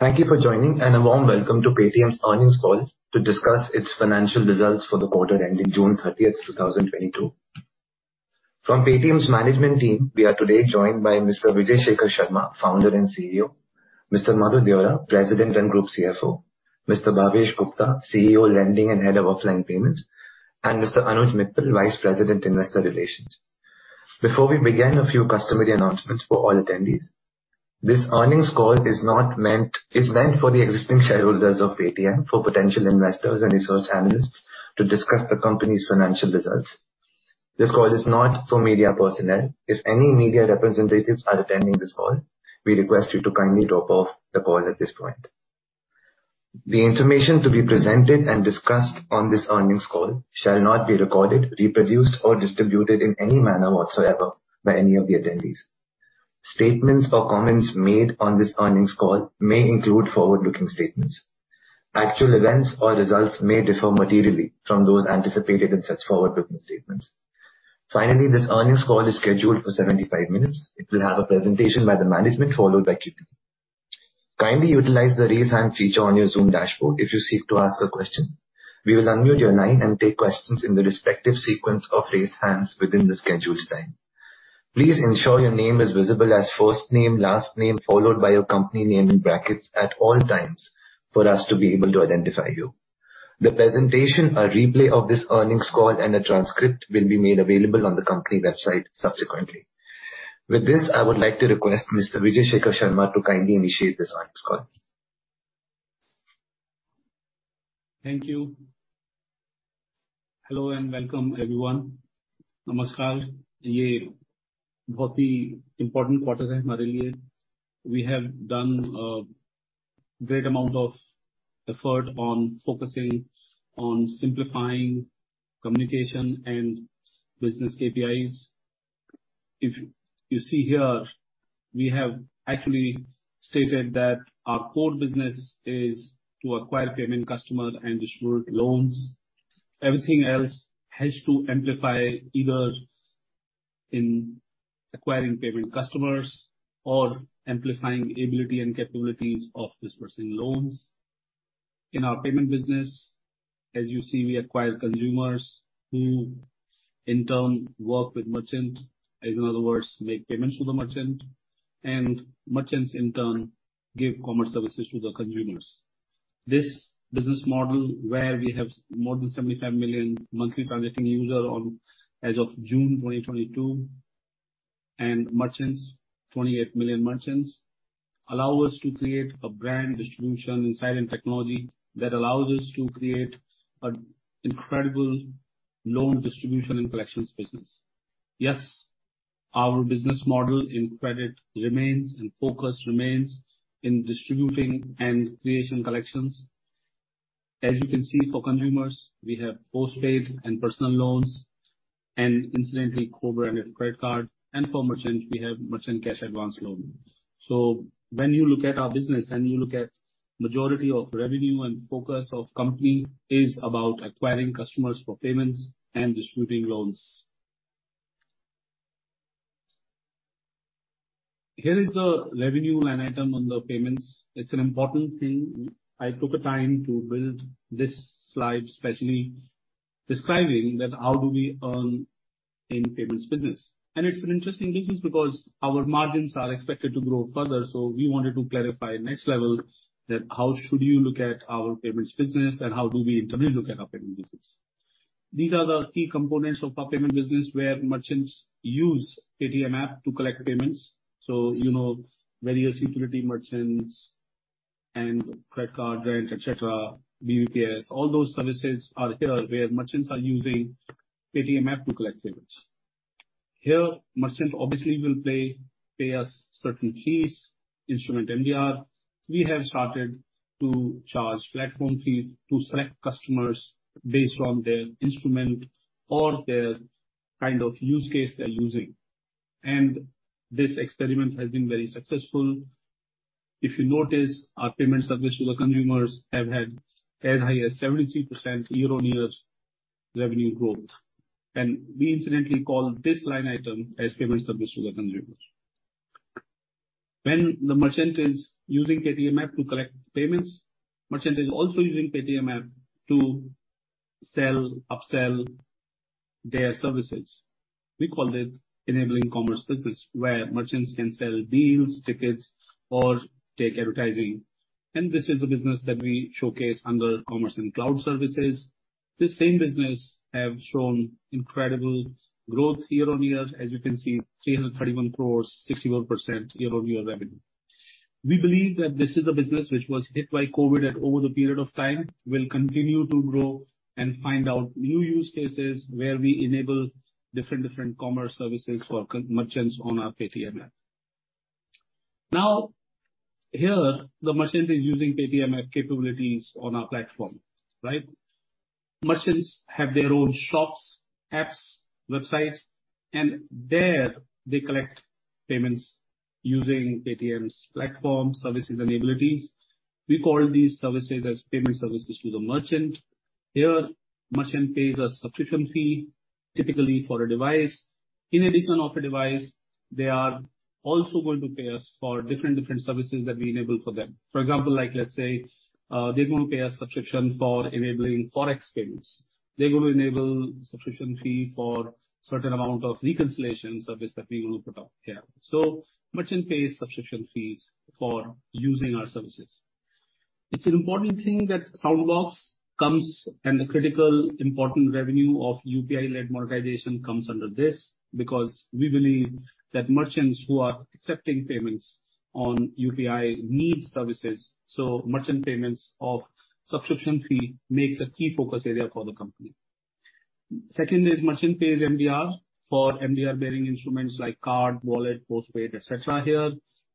Thank you for joining and a warm welcome to Paytm's Earnings Call to discuss its financial results for the quarter ending June 30, 2022. From Paytm's management team, we are today joined by Mr. Vijay Shekhar Sharma, founder and CEO, Mr. Madhur Deora, President and Group CFO, Mr. Bhavesh Gupta, CEO Lending and Head of Offline Payments, and Mr. Anuj Mittal, Vice President, Investor Relations. Before we begin, a few customary announcements for all attendees. This earnings call is meant for the existing shareholders of Paytm, for potential investors and research analysts to discuss the company's financial results. This call is not for media personnel. If any media representatives are attending this call, we request you to kindly drop off the call at this point. The information to be presented and discussed on this earnings call shall not be recorded, reproduced, or distributed in any manner whatsoever by any of the attendees. Statements or comments made on this earnings call may include forward-looking statements. Actual events or results may differ materially from those anticipated in such forward-looking statements. Finally, this earnings call is scheduled for 75 minutes. It will have a presentation by the management, followed by Q&A. Kindly utilize the Raise Hand feature on your Zoom dashboard if you seek to ask a question. We will unmute your line and take questions in the respective sequence of raised hands within the scheduled time. Please ensure your name is visible as first name, last name, followed by your company name in brackets at all times for us to be able to identify you. The presentation, a replay of this earnings call, and a transcript will be made available on the company website subsequently. With this, I would like to request Mr. Vijay Shekhar Sharma to kindly initiate this earnings call. Thank you. Hello and welcome, everyone. Namaskar. We have done a great amount of effort on focusing on simplifying communication and business KPIs. If you see here, we have actually stated that our core business is to acquire payment customers and disburse loans. Everything else has to amplify either in acquiring payment customers or amplifying ability and capabilities of disbursing loans. In our payment business, as you see, we acquire consumers who in turn work with merchants, as in other words, make payments to the merchants, and merchants in turn give commerce services to the consumers. This business model where we have more than 75 million monthly transacting users as of June 2022, and merchants, 28 million merchants, allow us to create a brand, distribution, and in-house technology that allows us to create an incredible loan distribution and collections business. Yes, our business model in credit remains, and focus remains in distributing and creation collections. As you can see for consumers, we have postpaid and personal loans and incidentally co-branded credit card. For merchant, we have merchant cash advance loan. When you look at our business and you look at majority of revenue and focus of company is about acquiring customers for payments and distributing loans. Here is the revenue line item on the payments. It's an important thing. I took the time to build this slide, especially describing how do we earn in payments business. It's an interesting business because our margins are expected to grow further. We wanted to clarify at the next level how should you look at our payments business and how do we internally look at our payments business. These are the key components of our payment business, where merchants use Paytm app to collect payments. You know, various utility merchants and credit card rent, et cetera, BBPS, all those services are here where merchants are using Paytm app to collect payments. Here, merchants obviously will pay us certain fees, instrument MDR. We have started to charge platform fees to select customers based on their instrument or their kind of use case they're using. This experiment has been very successful. If you notice, our payment service to the consumers have had as high as 73% year-on-year revenue growth. We incidentally call this line item as payment service to the consumers. When the merchant is using Paytm app to collect payments, merchant is also using Paytm app to sell, upsell their services. We call it enabling commerce business, where merchants can sell deals, tickets, or take advertising. This is the business that we showcase under commerce and cloud services. This same business have shown incredible growth year-over-year. As you can see, 331 crores, 61% year-over-year revenue. We believe that this is a business which was hit by COVID and over the period of time will continue to grow and find out new use cases where we enable different commerce services for merchants on our Paytm app. Now, here, the merchant is using Paytm app capabilities on our platform, right? Merchants have their own shops, apps, websites, and there they collect payments using Paytm's platform services and abilities. We call these services as payment services to the merchant. Here, merchant pays a subscription fee, typically for a device. In addition to a device, they are also going to pay us for different services that we enable for them. For example, like let's say, they're gonna pay a subscription for enabling Forex payments. They're gonna pay subscription fee for certain amount of reconciliation service that we will put out here. Merchant pays subscription fees for using our services. It's an important thing that Soundbox comes and the critical important revenue of UPI-led monetization comes under this because we believe that merchants who are accepting payments on UPI need services, so merchant payments of subscription fee makes a key focus area for the company. Second is merchant pays MDR for MDR-bearing instruments like card, wallet, postpaid, et cetera here.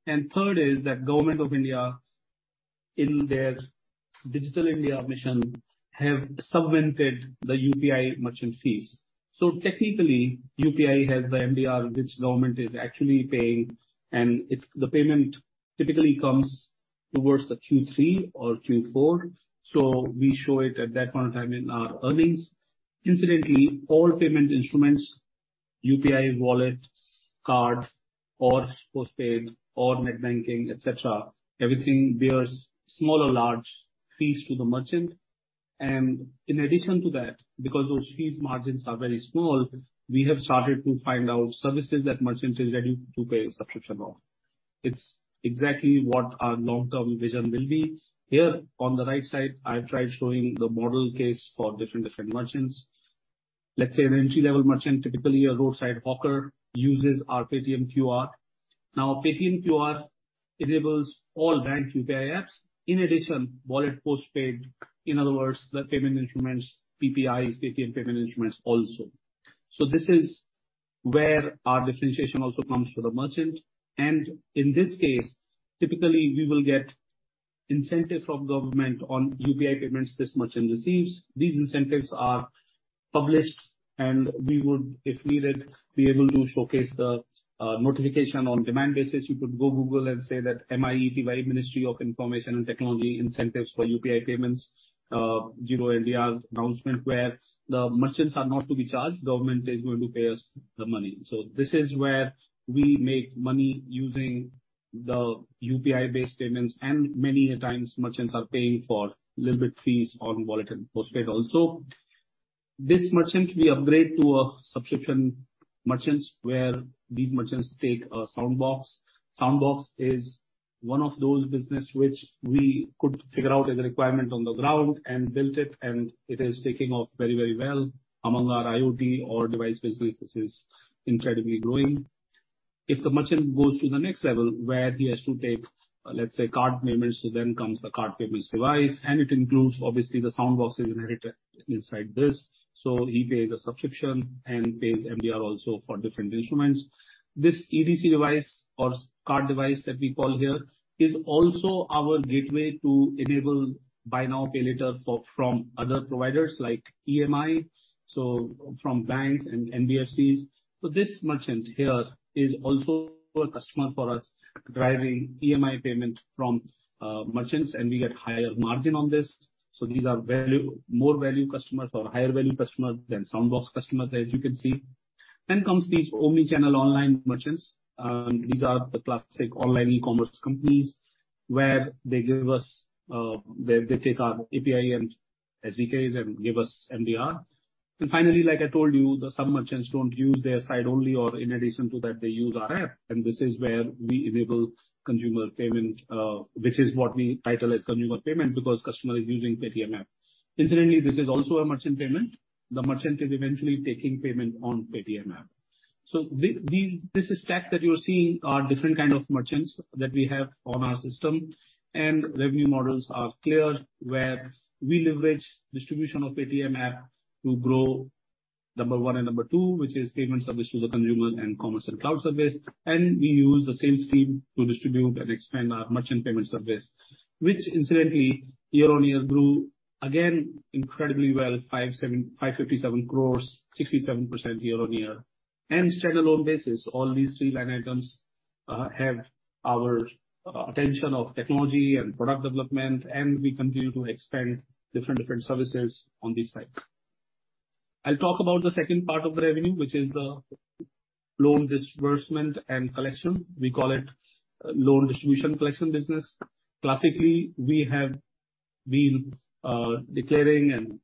Third is that Government of India in their Digital India mission have sub-vented the UPI merchant fees. Technically, UPI has the MDR which government is actually paying, and it's, the payment typically comes towards the Q3 or Q4, so we show it at that point of time in our earnings. Incidentally, all payment instruments, UPI, wallet, card or postpaid or net banking, et cetera, everything bears small or large fees to the merchant. In addition to that, because those fees margins are very small, we have started to find out services that merchants is ready to pay a subscription of. It's exactly what our long-term vision will be. Here, on the right side, I've tried showing the model case for different merchants. Let's say an entry-level merchant, typically a roadside hawker, uses our Paytm QR. Now, Paytm QR enables all bank UPI apps. In addition, wallet postpaid, in other words, the payment instruments, PPI is Paytm Payment Instruments also. This is where our differentiation also comes for the merchant. In this case, typically we will get incentive from government on UPI payments this merchant receives. These incentives are published and we would, if needed, be able to showcase the notification on demand basis. You could go to Google and say that MeitY, the Ministry of Electronics and Information Technology, incentives for UPI payments, zero MDR announcement where the merchants are not to be charged. Government is going to pay us the money. This is where we make money using the UPI-based payments. Many a times merchants are paying for little bit fees on wallet and postpaid also. This merchant we upgrade to a subscription merchants where these merchants take a Soundbox. Soundbox is one of those business which we could figure out as a requirement on the ground and built it, and it is taking off very, very well. Among our IoT or device business, this is incredibly growing. If the merchant goes to the next level where he has to take, let's say, card payments, so then comes the card payments device, and it includes obviously the Soundbox is inherited inside this, so he pays a subscription and pays MDR also for different instruments. This EDC device or card device that we call here is also our gateway to enable buy now, pay later for, from other providers like EMI, so from banks and NBFCs. This merchant here is also a customer for us driving EMI payment from merchants, and we get higher margin on this. These are value, more value customers or higher value customers than Soundbox customers, as you can see. Then comes these omni-channel online merchants. These are the classic online e-commerce companies where they take our API and SDKs and give us MDR. Finally, like I told you, the sub-merchants don't use their site only or in addition to that they use our app, and this is where we enable consumer payment, which is what we title as consumer payment because customer is using Paytm app. Incidentally, this is also a merchant payment. The merchant is eventually taking payment on Paytm app. This is stack that you're seeing are different kind of merchants that we have on our system. Revenue models are clear where we leverage distribution of Paytm app to grow number one and number two, which is payment service to the consumer and commerce and cloud service. We use the sales team to distribute and expand our merchant payment service, which incidentally year-on-year grew again incredibly well, 557 crore, 67% year-on-year. Standalone basis, all these three line items have our attention of technology and product development, and we continue to expand different services on these sites. I'll talk about the second part of the revenue, which is the loan disbursement and collection. We call it loan distribution collection business. Classically, we have been declaring and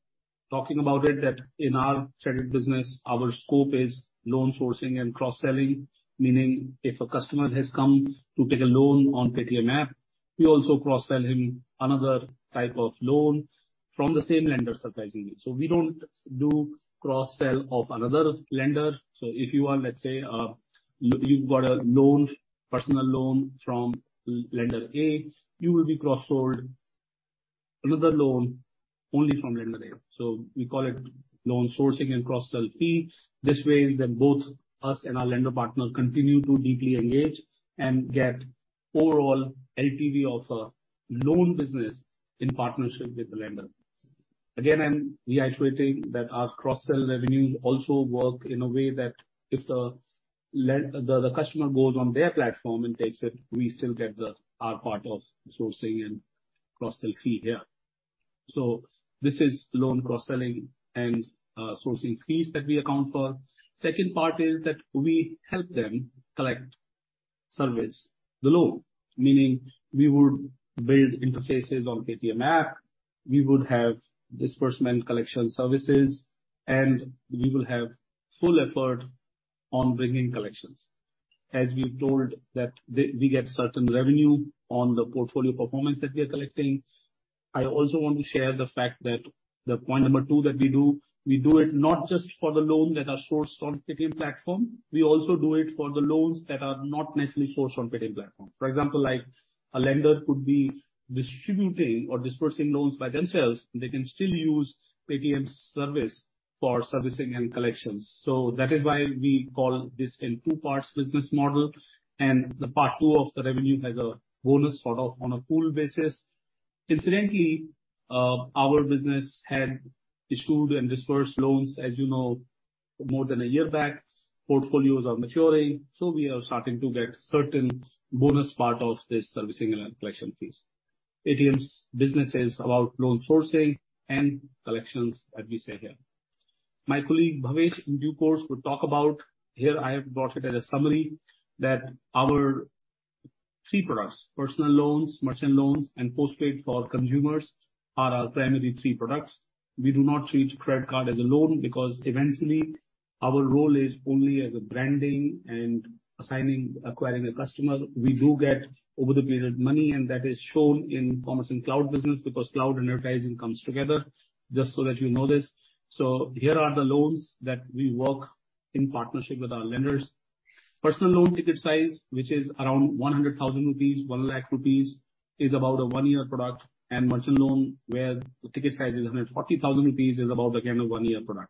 talking about it that in our credit business, our scope is loan sourcing and cross-selling. Meaning if a customer has come to take a loan on Paytm app, we also cross-sell him another type of loan from the same lender surprisingly. We don't do cross-sell of another lender. If you are, let's say, you've got a loan, personal loan from lender A, you will be cross-sold another loan only from lender A. We call it loan sourcing and cross-sell fee. This way is that both us and our lender partner continue to deeply engage and get overall LTV of a loan business in partnership with the lender. Again, I'm reiterating that our cross-sell revenues also work in a way that if the customer goes on their platform and takes it, we still get the our part of sourcing and cross-sell fee here. This is loan cross-selling and sourcing fees that we account for. second part is that we help them collect and service the loan, meaning we would build interfaces on the Paytm app. We would have disbursement and collection services, and we will have full effort on bringing collections. As we've told, we get certain revenue on the portfolio performance that we are collecting. I also want to share the fact that the point number two that we do, we do it not just for the loans that are sourced on Paytm platform, we also do it for the loans that are not necessarily sourced on Paytm platform. For example, like, a lender could be distributing or disbursing loans by themselves, they can still use Paytm's service for servicing and collections. That is why we call this a two-part business model, and the part two of the revenue has a bonus sort of on a pool basis. Incidentally, our business had issued and disbursed loans, as you know, more than a year back. Portfolios are maturing, so we are starting to get certain bonus part of this servicing and collection fees. Paytm's business is about loan sourcing and collections, as we said here. My colleague, Bhavesh, in due course, will talk about, here I have brought it as a summary, that our three products, personal loans, merchant loans, and postpaid for consumers are our primary three products. We do not treat credit card as a loan because eventually our role is only as a branding and assigning, acquiring a customer. We do get, over the period, money, and that is shown in commerce and cloud business because cloud and advertising comes together, just so that you know this. Here are the loans that we work in partnership with our lenders. Personal loan ticket size, which is around 100,000 rupees, 1 lakh rupees, is about a one-year product, and merchant loan, where the ticket size is 140,000 rupees, is about again a one-year product.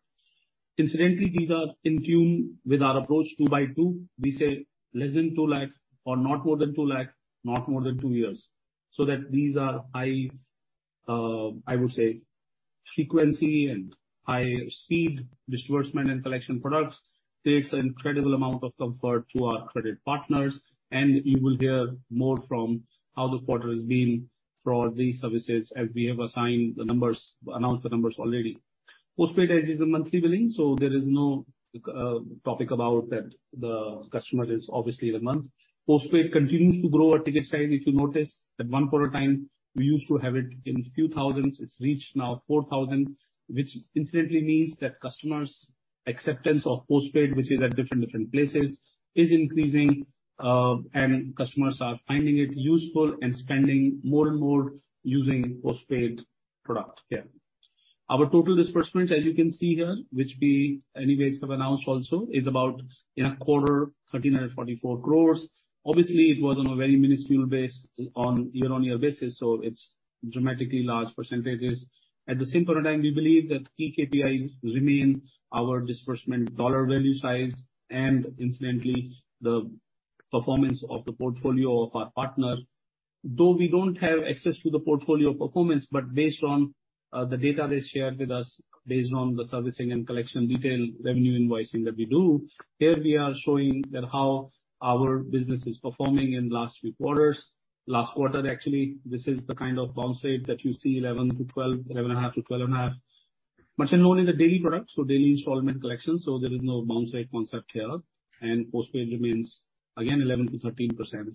Incidentally, these are in tune with our approach two by two. We say less than 2 lakh or not more than 2 lakh, not more than two years, so that these are high, I would say, frequency and high speed disbursement and collection products takes an incredible amount of comfort to our credit partners, and you will hear more from how the quarter has been for these services as we have assigned the numbers, announced the numbers already. Postpaid, as is a monthly billing, so there is no, topic about that. The customer is obviously in a month. Postpaid continues to grow our ticket size. If you notice that one quarter time, we used to have it in a few thousands. It's reached now 4,000, which incidentally means that customers' acceptance of postpaid, which is at different places, is increasing, and customers are finding it useful and spending more and more using postpaid product here. Our total disbursement, as you can see here, which we anyways have announced also, is about in a quarter, 1,344 crores. Obviously, it was on a very minuscule base on year-on-year basis, so it's dramatically large percentages. At the same quarter time, we believe that key KPIs remain our disbursement dollar value size and incidentally the performance of the portfolio of our partner. Though we don't have access to the portfolio performance, but based on the data they shared with us based on the servicing and collection detail revenue invoicing that we do, here we are showing how our business is performing in last few quarters. Last quarter, actually, this is the kind of bounce rate that you see, 11%-12%, 11.5%-12.5%. Merchant loan is a daily product, so daily installment collection, so there is no bounce rate concept here. Postpaid remains, again, 11%-13%.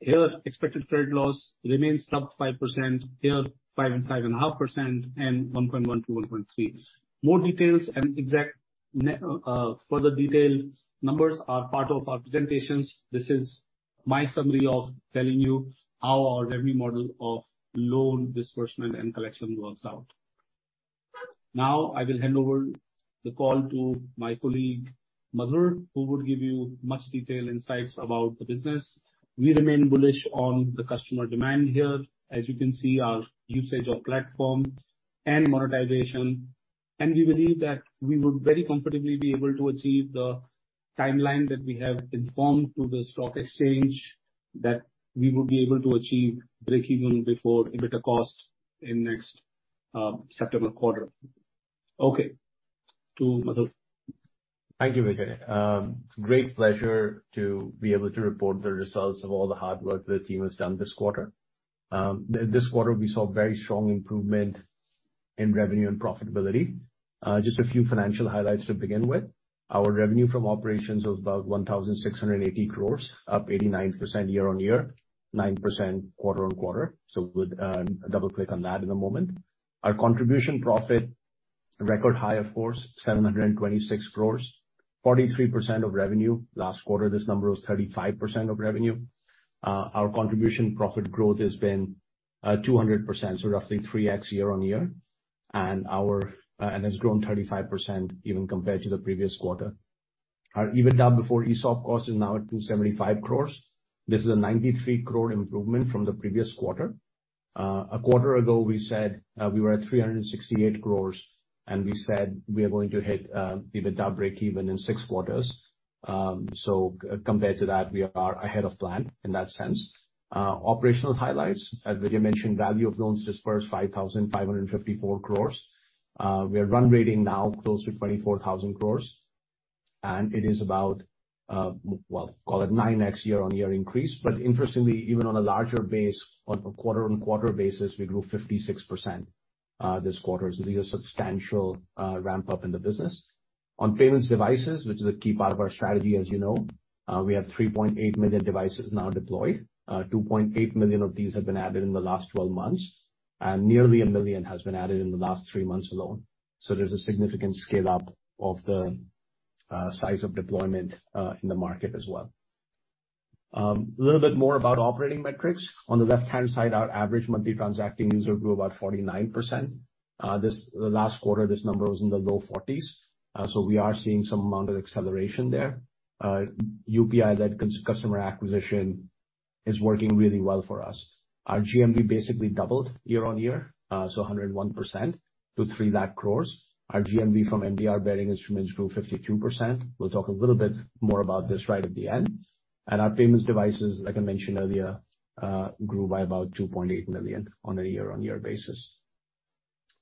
Here, expected credit loss remains sub-5%. Here, 5%-5.5% and 1.1%-1.3%. More details and further detail numbers are part of our presentations. This is my summary of telling you how our revenue model of loan disbursement and collection works out. Now I will hand over the call to my colleague, Madhur, who will give you much detailed insights about the business. We remain bullish on the customer demand here. As you can see, our usage of platform and monetization, and we believe that we would very comfortably be able to achieve the timeline that we have informed to the stock exchange that we would be able to achieve break-even before EBITDA costs in next September quarter. Okay. To Madhur. Thank you, Vijay. Great pleasure to be able to report the results of all the hardwork the team has done this quarter. This quarter we saw very strong improvement in revenue and profitability. Just a few financial highlights to begin with. Our revenue from operations was about 1,680 crores, up 89% year-on-year, 9% quarter-on-quarter. We'll double-click on that in a moment. Our contribution profit, record high of course, 726 crores. 43% of revenue. Last quarter, this number was 35% of revenue. Our contribution profit growth has been 200%, so roughly 3x year-on-year. Our has grown 35% even compared to the previous quarter. Our EBITDA before ESOP cost is now at 275 crores. This is a 93 crore improvement from the previous quarter. A quarter ago, we said we were at 368 crore. We said we are going to hit EBITDA break-even in six quarters. Compared to that, we are ahead of plan in that sense. Operational highlights. As Vijay mentioned, value of loans disbursed 5,554 crore. We are run rate now close to 24,000 crore. It is about, well, call it 9x year-on-year increase. Interestingly, even on a larger base, on a quarter-on-quarter basis, we grew 56% this quarter. We have substantial ramp-up in the business. On payments devices, which is a key part of our strategy, as you know, we have 3.8 million devices now deployed. 2.8 million of these have been added in the last 12 months, and nearly a million has been added in the last three months alone. There's a significant scale-up of the size of deployment in the market as well. A little bit more about operating metrics. On the left-hand side, our average monthly transacting user grew about 49%. The last quarter, this number was in the low 40s. We are seeing some amount of acceleration there. UPI-led customer acquisition is working really well for us. Our GMV basically doubled year-on-year, 101% to 3 lakh crore. Our GMV from MDR-bearing instruments grew 52%. We'll talk a little bit more about this right at the end. Our payments devices, like I mentioned earlier, grew by about 2.8 million on a year-on-year basis.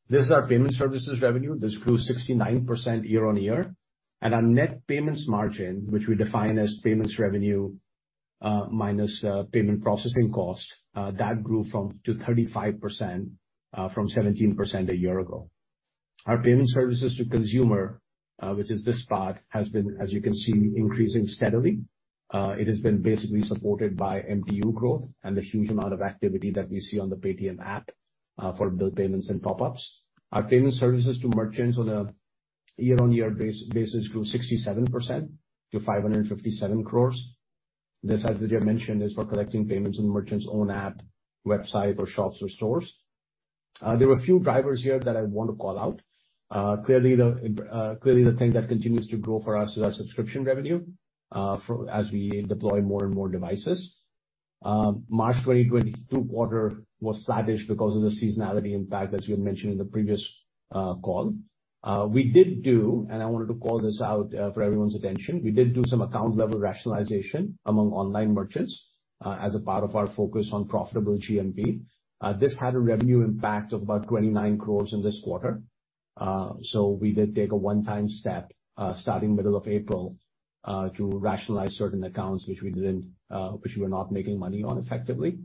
This is our payment services revenue. This grew 69% year-on-year. Our net payments margin, which we define as payments revenue minus payment processing cost, that grew to 35% from 17% a year ago. Our payment services to consumer, which is this part, has been, as you can see, increasing steadily. It has been basically supported by MTU growth and the huge amount of activity that we see on the Paytm app for bill payments and top ups. Our payment services to merchants on a year-on-year basis grew 67% to 557 crores. This, as Vijay mentioned, is for collecting payments in merchant's own app, website or shops or stores. There were a few drivers here that I want to call out. Clearly the thing that continues to grow for us is our subscription revenue, as we deploy more and more devices. March 22 quarter was sluggish because of the seasonality impact, as we had mentioned in the previous call. We did do some account-level rationalization among online merchants, and I wanted to call this out for everyone's attention, as a part of our focus on profitable GMV. This had a revenue impact of about 29 crores in this quarter. We did take a one-time step, starting middle of April, to rationalize certain accounts which we were not making money on effectively.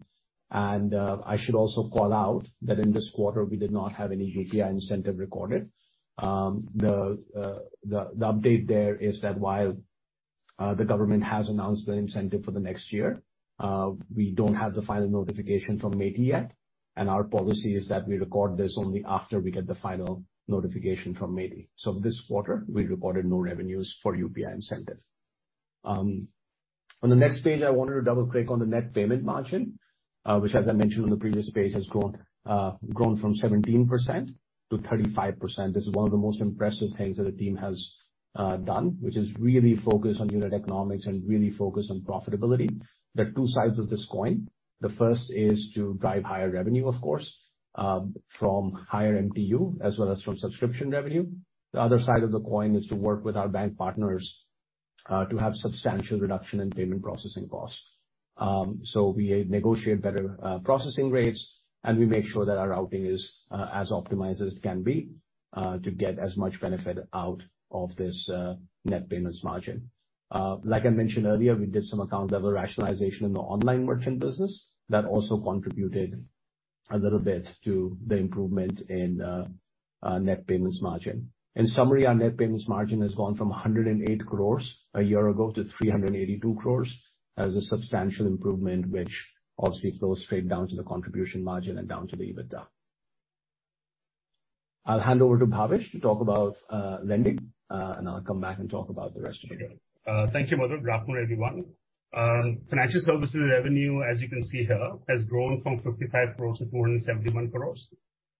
I should also call out that in this quarter, we did not have any UPI incentive recorded. The update there is that while the government has announced the incentive for the next year, we don't have the final notification from MeitY yet, and our policy is that we record this only after we get the final notification from MeitY. This quarter we reported no revenues for UPI incentive. On the next page, I wanted to double-click on the net payment margin, which as I mentioned on the previous page, has grown from 17% to 35%. This is one of the most impressive things that the team has done, which is really focus on unit economics and really focus on profitability. There are two sides of this coin. The first is to drive higher revenue, of course, from higher MTU as well as from subscription revenue. The other side of the coin is to work with our bank partners to have substantial reduction in payment processing costs. We negotiate better processing rates, and we make sure that our routing is as optimized as it can be to get as much benefit out of this net payments margin. Like I mentioned earlier, we did some account-level rationalization in the online merchant business that also contributed a little bit to the improvement in net payments margin. In summary, our net payments margin has gone from 108 crores a year ago to 382 crores. That is a substantial improvement, which obviously flows straight down to the contribution margin and down to the EBITDA. I'll hand over to Bhavesh to talk about lending, and I'll come back and talk about the rest of it. Okay. Thank you, Madhur. Good Afternoon everyone. Financial services revenue, as you can see here, has grown from 55 crore to 271 crore.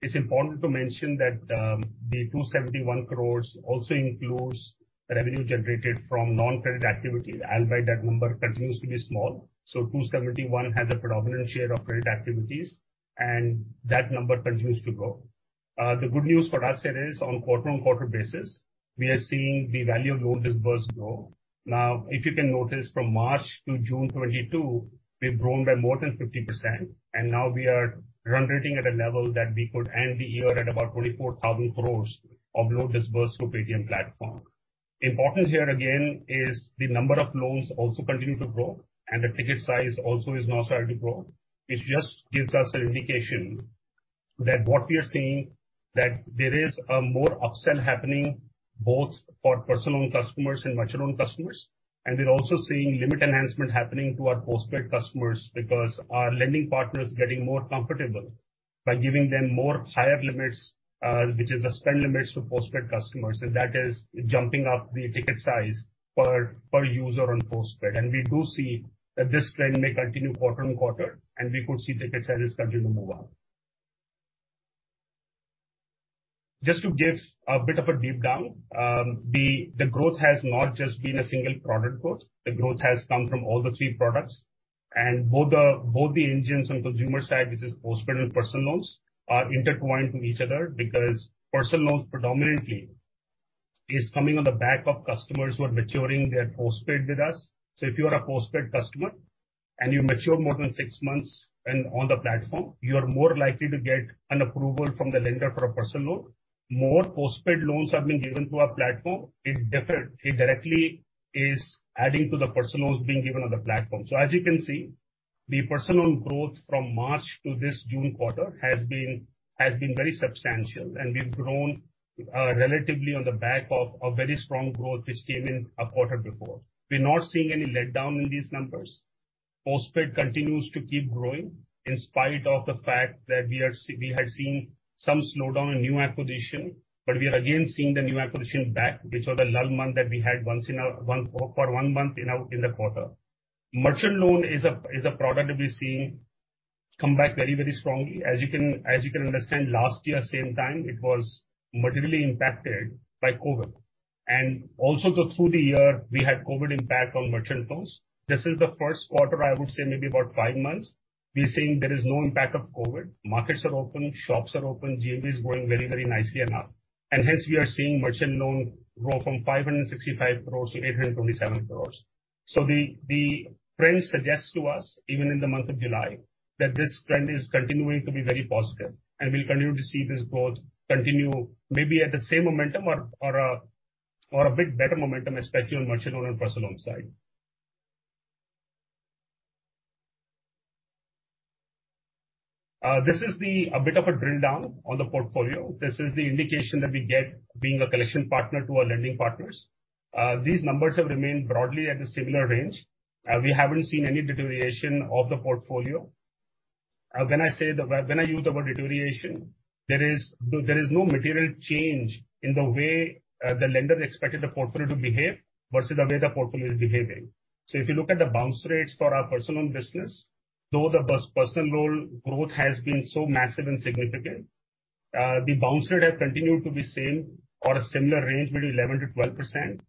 It's important to mention that, the 271 crore also includes revenue generated from non-credit activity. Albeit, that number continues to be small. 271 has a predominant share of credit activities, and that number continues to grow. The good news for us here is on quarter-over-quarter basis, we are seeing the value of loan disbursed grow. Now, if you can notice from March to June 2022, we've grown by more than 50%, and now we are run rating at a level that we could end the year at about 24,000 crore of loan disbursed through Paytm platform. Important here again is the number of loans also continue to grow, and the ticket size also is now starting to grow. It just gives us an indication that what we are seeing, that there is a more upsell happening both for personal customers and merchant customers. We're also seeing limit enhancement happening to our Postpaid customers because our lending partners getting more comfortable by giving them more higher limits, which is the spend limits to Postpaid customers, and that is jumping up the ticket size per user on Postpaid. We do see that this trend may continue quarter-on-quarter, and we could see ticket sizes continue to move up. Just to give a bit of a deep dive, the growth has not just been a single product growth. The growth has come from all the three products. Both the engines on consumer side, which is postpaid and personal loans, are intertwined to each other because personal loans predominantly is coming on the back of customers who are maturing their postpaid with us. If you are a postpaid customer and you mature more than six months and on the platform, you are more likely to get an approval from the lender for a personal loan. More postpaid loans have been given through our platform. It directly is adding to the personal loans being given on the platform. As you can see, the personal loan growth from March to this June quarter has been very substantial and we've grown relatively on the back of a very strong growth which came in a quarter before. We're not seeing any letdown in these numbers. Postpaid continues to keep growing in spite of the fact that we had seen some slowdown in new acquisition, but we are again seeing the new acquisition back, which was a lull month that we had for one month in the quarter. Merchant loan is a product that we're seeing come back very-very strongly. As you can understand, last year same time, it was materially impacted by COVID. Also through the year, we had COVID impact on merchant loans. This is the first quarter, I would say maybe about five months, we're seeing there is no impact of COVID. Markets are open, shops are open, GMV is growing very, very nicely enough, and hence we are seeing merchant loans grow from 565 crore to 827 crore. The trend suggests to us, even in the month of July, that this trend is continuing to be very positive and we'll continue to see this growth continue maybe at the same momentum or a bit better momentum, especially on merchant loan and personal loan side. This is a bit of a drill down on the portfolio. This is the indication that we get being a collection partner to our lending partners. These numbers have remained broadly at a similar range. We haven't seen any deterioration of the portfolio. When I use the word deterioration, there is no material change in the way the lender expected the portfolio to behave versus the way the portfolio is behaving. If you look at the bounce rates for our personal loan business, though the personal loan growth has been so massive and significant, the bounce rate has continued to be same or a similar range between 11%-12%,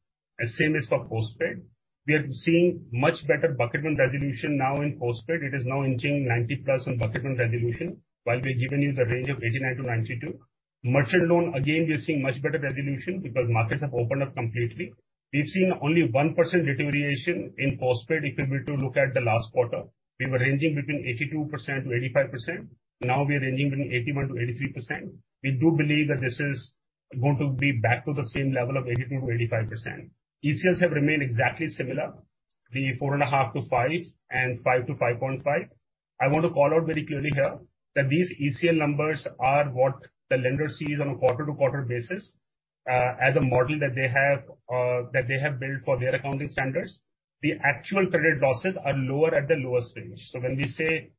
same as for postpaid. We are seeing much better bucket one resolution now in postpaid. It is now inching 90+ on bucket one resolution, while we've given you the range of 89%-92%. Merchant loan, again, we are seeing much better resolution because markets have opened up completely. We've seen only 1% deterioration in postpaid if you were to look at the last quarter. We were ranging between 82%-85%. Now we are ranging between 81%-83%. We do believe that this is going to be back to the same level of 82%-85%. ECLs have remained exactly similar, the 4.5%-5% and 5%-5.5%. I want to call out very clearly here that these ECL numbers are what the lender sees on a quarter to quarter basis, as a model that they have built for their accounting standards. The actual credit losses are lower at the lowest range. When we say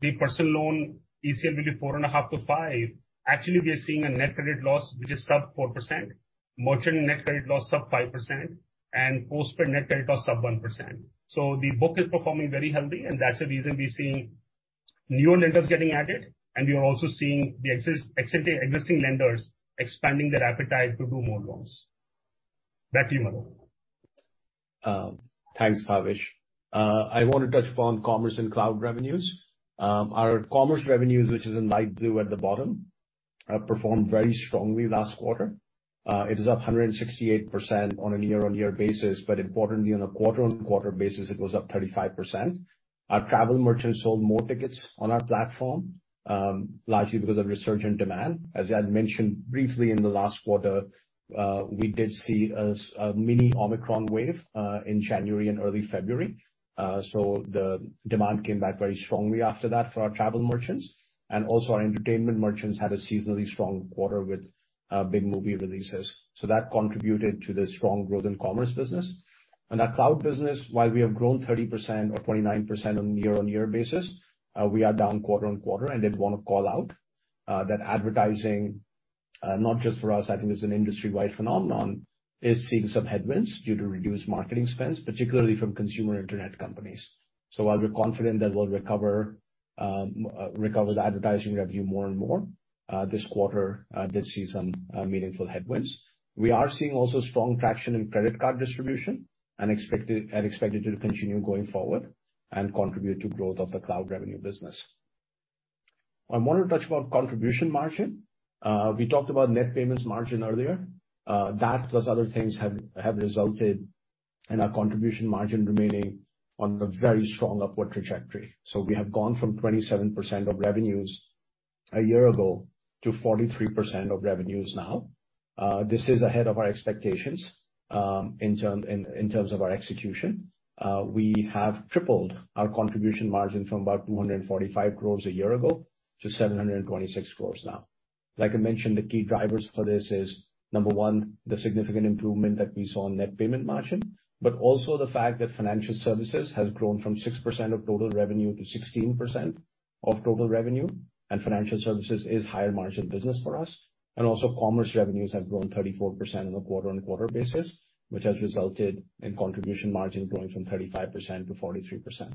the personal loan ECL will be 4.5%-5%, actually we are seeing a net credit loss which is sub 4%, merchant net credit loss sub 5%, and postpaid net credit loss sub 1%. The book is performing very healthy, and that's the reason we're seeing new lenders getting added, and we are also seeing the existing lenders expanding their appetite to do more loans. Back to you, Madhur. Thanks, Bhavesh. I wanna touch upon commerce and cloud revenues. Our commerce revenues, which is in light blue at the bottom, performed very strongly last quarter. It is up 168% on a year-on-year basis, but importantly, on a quarter-on-quarter basis, it was up 35%. Our travel merchants sold more tickets on our platform, largely because of resurgent demand. As I had mentioned briefly in the last quarter, we did see a mini Omicron wave in January and early February. The demand came back very strongly after that for our travel merchants. Also our entertainment merchants had a seasonally strong quarter with big movie releases. That contributed to the strong growth in commerce business. On our cloud business, while we have grown 30% or 29% on a year-on-year basis, we are down quarter-on-quarter. I did wanna call out that advertising, not just for us, I think it's an industry-wide phenomenon, is seeing some headwinds due to reduced marketing spends, particularly from consumer internet companies. While we're confident that we'll recover the advertising revenue more and more, this quarter did see some meaningful headwinds. We are seeing also strong traction in credit card distribution and expect it to continue going forward and contribute to growth of the cloud revenue business. I wanna touch about contribution margin. We talked about net payments margin earlier. That plus other things have resulted in our contribution margin remaining on a very strong upward trajectory. We have gone from 27% of revenues a year ago to 43% of revenues now. This is ahead of our expectations, in terms of our execution. We have tripled our contribution margin from about 245 crore a year ago to 726 crore now. Like I mentioned, the key drivers for this is, number one, the significant improvement that we saw in net payment margin, but also the fact that financial services has grown from 6% of total revenue to 16% of total revenue, and financial services is higher margin business for us. Also commerce revenues have grown 34% on a quarter-on-quarter basis, which has resulted in contribution margin growing from 35% to 43%.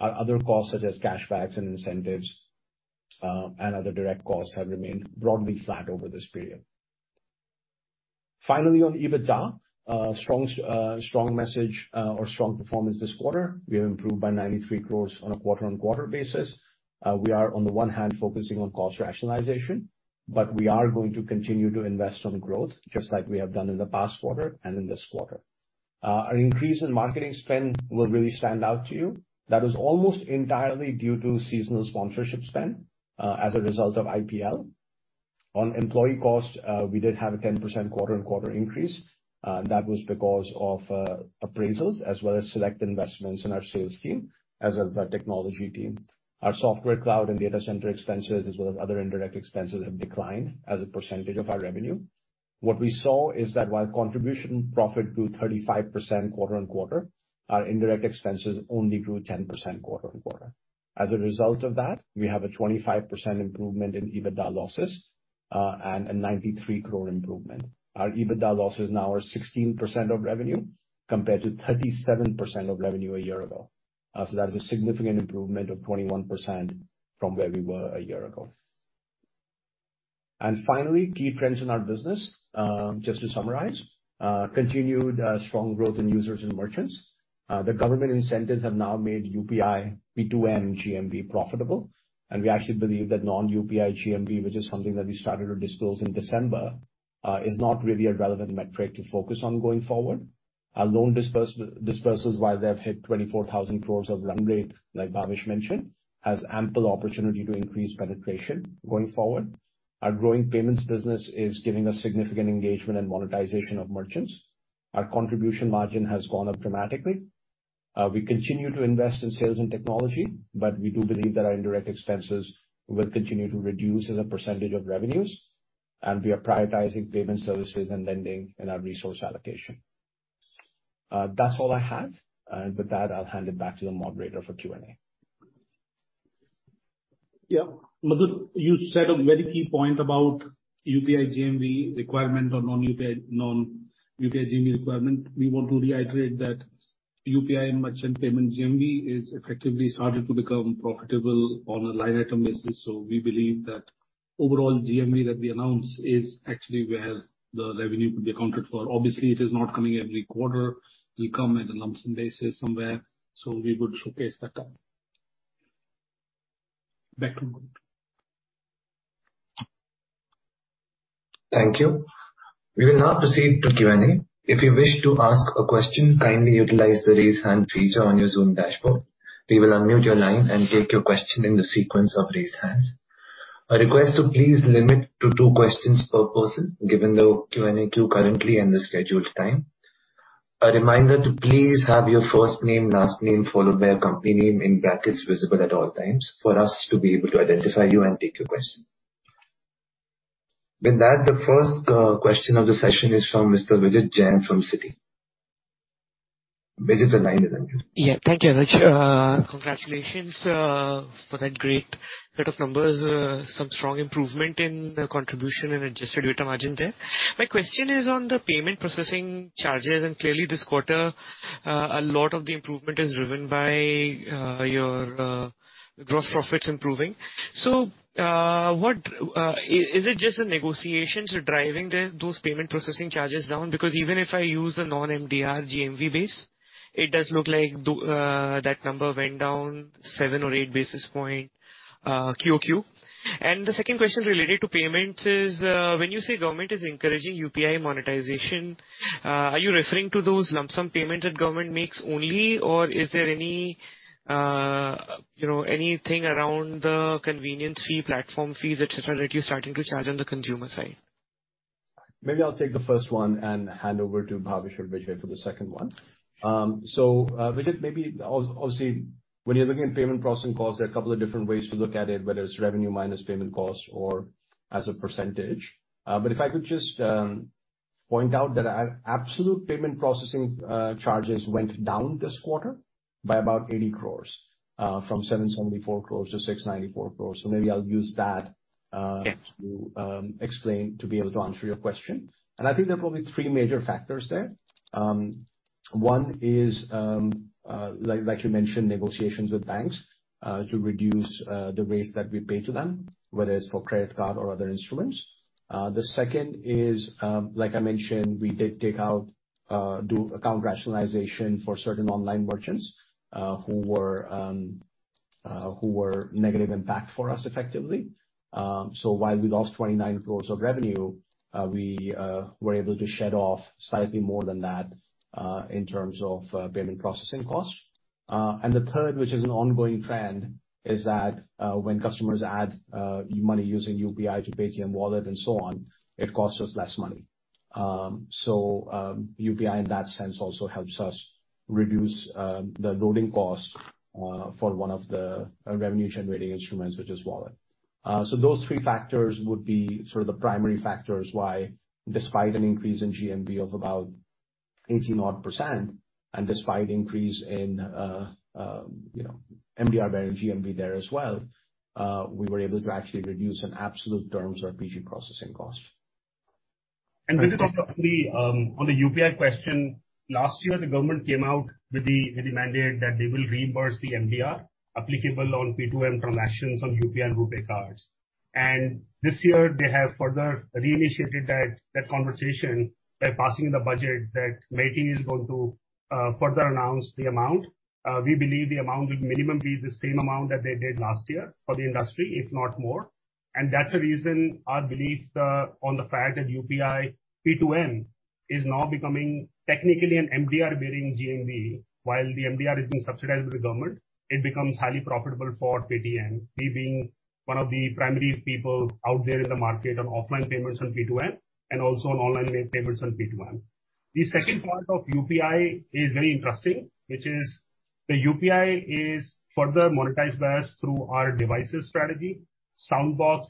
Our other costs, such as cash backs and incentives, and other direct costs, have remained broadly flat over this period. Finally, on EBITDA, strong performance this quarter. We have improved by 93 crore on a quarter-on-quarter basis. We are on the one hand focusing on cost rationalization, but we are going to continue to invest on growth just like we have done in the past quarter and in this quarter. Our increase in marketing spend will really stand out to you. That is almost entirely due to seasonal sponsorship spend, as a result of IPL. On employee costs, we did have a 10% quarter-on-quarter increase. That was because of, appraisals as well as select investments in our sales team as well as our technology team. Our software cloud and data center expenses as well as other indirect expenses have declined as a percentage of our revenue. What we saw is that while contribution profit grew 35% quarter-on-quarter, our indirect expenses only grew 10% quarter-on-quarter. As a result of that, we have a 25% improvement in EBITDA losses and a 93 crore improvement. Our EBITDA losses now are 16% of revenue compared to 37% of revenue a year ago. That is a significant improvement of 21% from where we were a year ago. Finally, key trends in our business, just to summarize. Continued strong growth in users and merchants. The government incentives have now made UPI P2M GMV profitable, and we actually believe that non-UPI GMV which is something that we started to disclose in December is not really a relevant metric to focus on going forward. Our loan disbursals while they have hit 24,000 crore run rate like Bhavesh mentioned has ample opportunity to increase penetration going forward. Our growing payments business is giving us significant engagement and monetization of merchants. Our contribution margin has gone up dramatically. We continue to invest in sales and technology, but we do believe that our indirect expenses will continue to reduce as a percentage of revenues. We are prioritizing payment services and lending in our resource allocation. That's all I had. With that, I'll hand it back to the moderator for Q&A. Yeah. Madhur, you said a very key point about UPI GMV requirement or non-UPI, non-UPI GMV requirement. We want to reiterate that UPI merchant payment GMV is effectively started to become profitable on a line item basis. We believe that overall GMV that we announce is actually where the revenue will be accounted for. Obviously, it is not coming every quarter, it will come at a lump sum basis somewhere, so we would showcase that up. Back to you. Thank you. We will now proceed to Q&A. If you wish to ask a question, kindly utilize the raise hand feature on your Zoom dashboard. We will unmute your line and take your question in the sequence of raised hands. A request to please limit to two questions per person given the Q&A queue currently and the scheduled time. A reminder to please have your first name, last name, followed by your company name in brackets visible at all times for us to be able to identify you and take your question. With that, the first question of the session is from Mr. Vijit Jain from Citi. Vijit, the line is unmuted. Yeah. Thank you, Anuj. Congratulations for that great set of numbers. Some strong improvement in the contribution and adjusted EBITDA margin there. My question is on the payment processing charges, and clearly this quarter, a lot of the improvement is driven by your gross profits improving. What is it just the negotiations driving those payment processing charges down? Because even if I use a non-MDR GMV base, it does look like that number went down seven or eight basis points quarter-over-quarter. The second question related to payments is, when you say government is encouraging UPI monetization, are you referring to those lump sum payments that government makes only, or is there any, you know, anything around the convenience fee, platform fees, et cetera, that you're starting to charge on the consumer side? Maybe I'll take the first one and hand over to Bhavesh or Vijay for the second one. Vijay, maybe obviously when you're looking at payment processing costs, there are a couple of different ways to look at it, whether it's revenue minus payment cost or as a percentage. If I could just point out that our absolute payment processing charges went down this quarter by about 80 crore from 774 crore to 694 crore. Maybe I'll use that. Yeah. To explain to be able to answer your question. I think there are probably three major factors there. One is, like you mentioned, negotiations with banks, to reduce the rates that we pay to them, whether it's for credit card or other instruments. The second is, like I mentioned, we did take out account rationalization for certain online merchants, who were negative impact for us effectively. So while we lost 29 crore of revenue, we were able to shed off slightly more than that, in terms of payment processing costs. The third, which is an ongoing trend, is that when customers add money using UPI to Paytm wallet and so on, it costs us less money. UPI in that sense also helps us reduce the loading cost for one of the revenue generating instruments which is wallet. Those three factors would be sort of the primary factors why despite an increase in GMV of about 80-odd%, and despite increase in you know, MDR bearing GMV there as well, we were able to actually reduce in absolute terms our PG processing cost. Vijay on the UPI question, last year the government came out with the mandate that they will reimburse the MDR applicable on P2M transactions on UPI and RuPay cards. This year they have further reinitiated that conversation by passing the budget that MeitY is going to further announce the amount. We believe the amount will minimum be the same amount that they did last year for the industry, if not more. That's the reason our belief on the fact that UPI P2M is now becoming technically an MDR-bearing GMV while the MDR is being subsidized by the government, it becomes highly profitable for Paytm, we being one of the primary people out there in the market on offline payments on P2M and also on online payments on P2M. The second part of UPI is very interesting, which is the UPI is further monetized by us through our devices strategy. Soundbox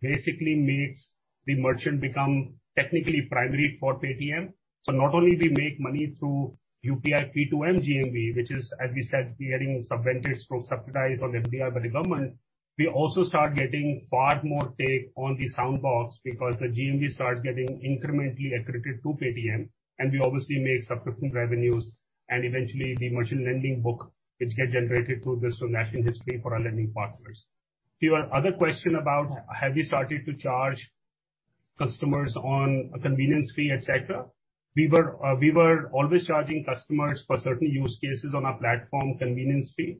basically makes the merchant become technically primary for Paytm. Not only do we make money through UPI P2M GMV, which is, as we said, we are getting some advantage from subsidy on MDR by the government, we also start getting far more take rate on the Soundbox because the GMV starts getting incrementally accreted to Paytm and we obviously make subsequent revenues and eventually the merchant lending book which get generated through this transactional history for our lending partners. To your other question about have we started to charge customers on a convenience fee, et cetera? We were always charging customers for certain use cases on our platform convenience fee,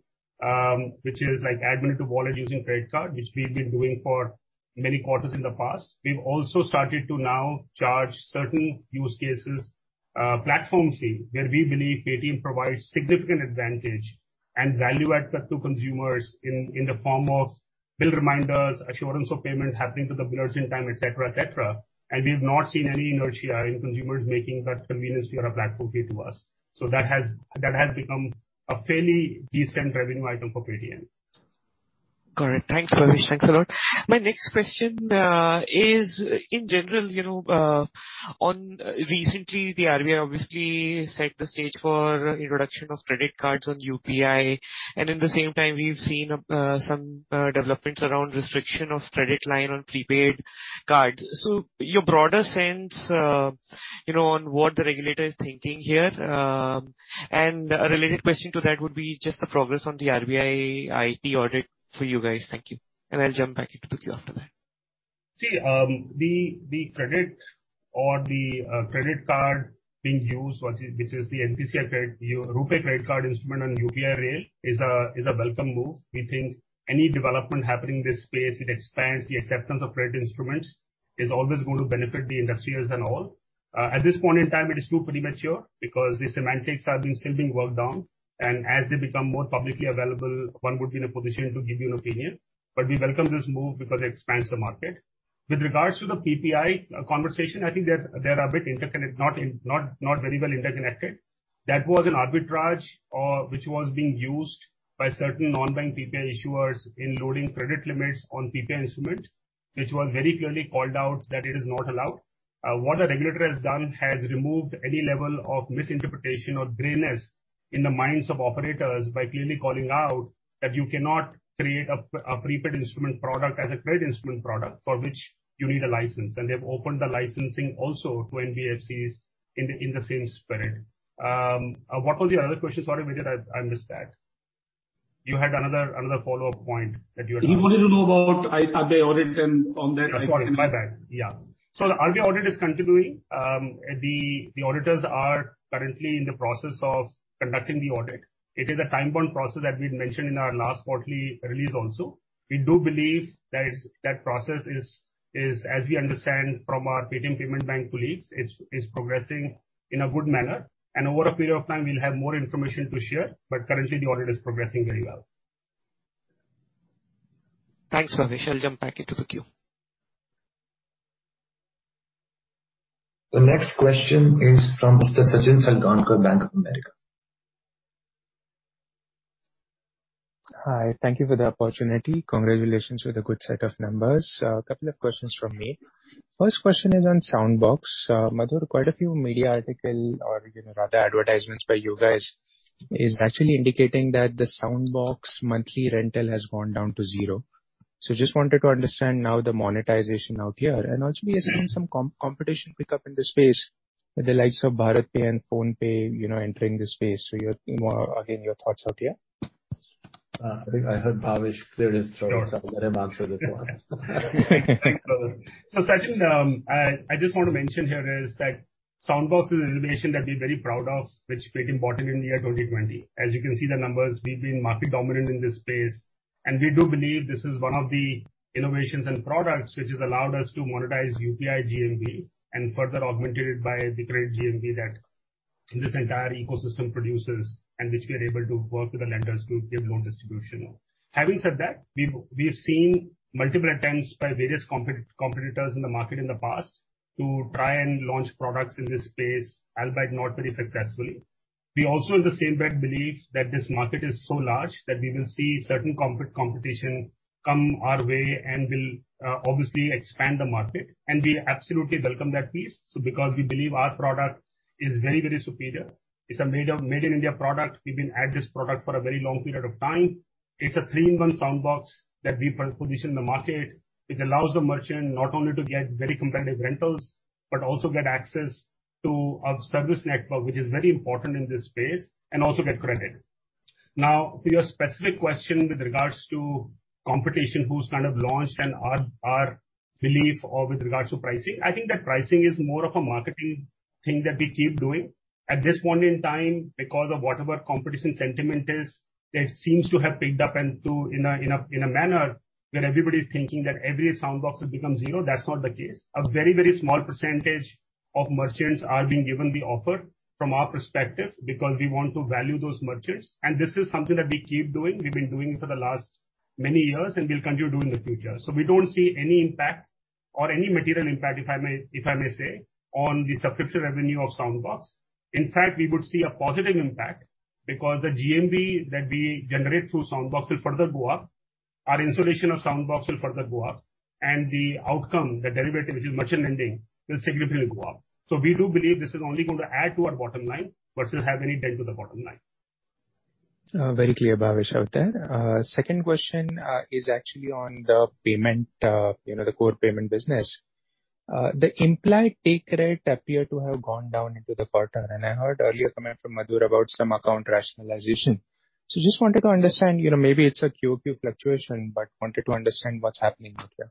which is like add money to wallet using credit card, which we've been doing for many quarters in the past. We've also started to now charge certain use cases, platform fee, where we believe Paytm provides significant advantage and value add to consumers in the form of bill reminders, assurance of payment happening to the bills in time, et cetera. We've not seen any inertia in consumers making that convenience fee or a platform fee to us. That has become a fairly decent revenue item for Paytm. Correct. Thanks, Bhavesh. Thanks a lot. My next question is in general, you know, on recently the RBI obviously set the stage for introduction of credit cards on UPI, and in the same time we've seen some developments around restriction of credit line on prepaid cards. So your broader sense, you know, on what the regulator is thinking here. And a related question to that would be just the progress on the RBI IT audit for you guys. Thank you. I'll jump back into the queue after that. See, the credit card being used, which is the NPCI credit RuPay credit card instrument on UPI rail is a welcome move. We think any development happening in this space, it expands the acceptance of credit instruments. It is always going to benefit the industry and all. At this point in time, it is too premature because the semantics are still being worked on. As they become more publicly available, one would be in a position to give you an opinion. We welcome this move because it expands the market. With regards to the PPI conversation, I think they're a bit interconnected, not very well interconnected. That was an arbitrage which was being used by certain non-bank PPI issuers in loading credit limits on PPI instrument, which was very clearly called out that it is not allowed. What the regulator has done has removed any level of misinterpretation or grayness in the minds of operators by clearly calling out that you cannot create a prepaid instrument product as a credit instrument product for which you need a license. They've opened the licensing also to NBFCs in the same spirit. What was your other question? Sorry, Vijay, I missed that. You had another follow-up point that you had asked. He wanted to know about RBI audit and on that. Sorry about that. Yeah. The RBI audit is continuing. The auditors are currently in the process of conducting the audit. It is a time-bound process that we've mentioned in our last quarterly release also. We do believe that process is, as we understand from our Paytm Payments Bank colleagues, progressing in a good manner. Over a period of time we'll have more information to share, but currently the audit is progressing very well. Thanks, Bhavesh. I'll jump back into the queue. The next question is from Mr. Sachin Salgaonkar, Bank of America. Hi. Thank you for the opportunity. Congratulations with a good set of numbers. A couple of questions from me. First question is on Soundbox. Madhur, quite a few media articles or, you know, rather advertisements by you guys is actually indicating that the Soundbox monthly rental has gone down to zero. Just wanted to understand now the monetization out here. Also we are seeing some competition pick up in the space with the likes of BharatPe and PhonePe, you know, entering the space. Your, you know, again, your thoughts out here. I think I heard Bhavesh clear his throat. I'll let him answer this one. Thanks, Madhur. Sachin, I just want to mention here is that Soundbox is an innovation that we're very proud of, which became important in the year 2020. As you can see the numbers, we've been market dominant in this space, and we do believe this is one of the innovations and products which has allowed us to monetize UPI GMV and further augmented by the credit GMV that this entire ecosystem produces and which we are able to work with the lenders to give loan distribution. Having said that, we've seen multiple attempts by various competitors in the market in the past to try and launch products in this space, albeit not very successfully. We also in the same breath believe that this market is so large that we will see certain competition come our way and will obviously expand the market and we absolutely welcome that piece. Because we believe our product is very, very superior. It's a made in India product. We've been at this product for a very long period of time. It's a three-in-one Soundbox that we position in the market, which allows the merchant not only to get very competitive rentals, but also get access to our service network, which is very important in this space, and also get credit. Now, to your specific question with regards to competition, who's kind of launched and our belief or with regards to pricing. I think that pricing is more of a marketing thing that we keep doing. At this point in time because of whatever competition sentiment is, that seems to have picked up in a manner where everybody's thinking that every Soundbox will become zero. That's not the case. A very, very small percentage of merchants are being given the offer from our perspective, because we want to value those merchants. This is something that we keep doing, we've been doing for the last many years and we'll continue doing in the future. We don't see any impact or any material impact, if I may say, on the subscription revenue of Soundbox. In fact, we would see a positive impact because the GMV that we generate through Soundbox will further go up. Our installation of Soundbox will further go up. The outcome, the derivative, which is merchant lending, will significantly go up. We do believe this is only going to add to our bottom line, but won't have any dent to the bottom line. Very clear, Bhavesh, out there. Second question is actually on the payment, you know, the core payment business. The implied take rate appear to have gone down in the quarter, and I heard earlier comment from Madhur about some account rationalization. Just wanted to understand, you know, maybe it's a quarter-over-quarter fluctuation, but wanted to understand what's happening out there.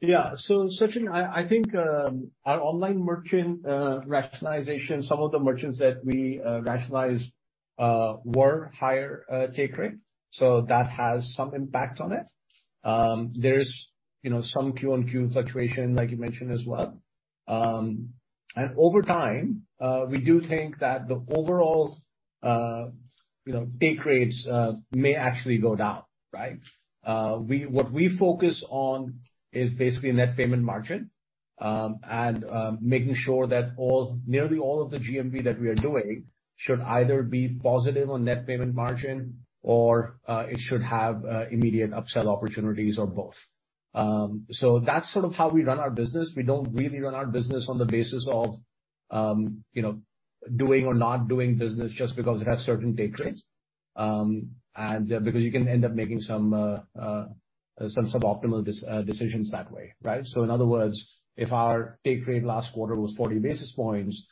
Yeah. Sachin Salgaonkar, I think our online merchant rationalization, some of the merchants that we rationalized were higher take rate. That has some impact on it. There's, you know, some quarter-on-quarter fluctuation like you mentioned as well. Over time, we do think that the overall, you know, take rates may actually go down, right? What we focus on is basically net payment margin and making sure that all, nearly all of the GMV that we are doing should either be positive on net payment margin or it should have immediate upsell opportunities or both. That's sort of how we run our business. We don't really run our business on the basis of, you know, doing or not doing business just because it has certain take rates. Because you can end up making some suboptimal decisions that way, right? In other words, if our take rate last quarter was 40 basis points,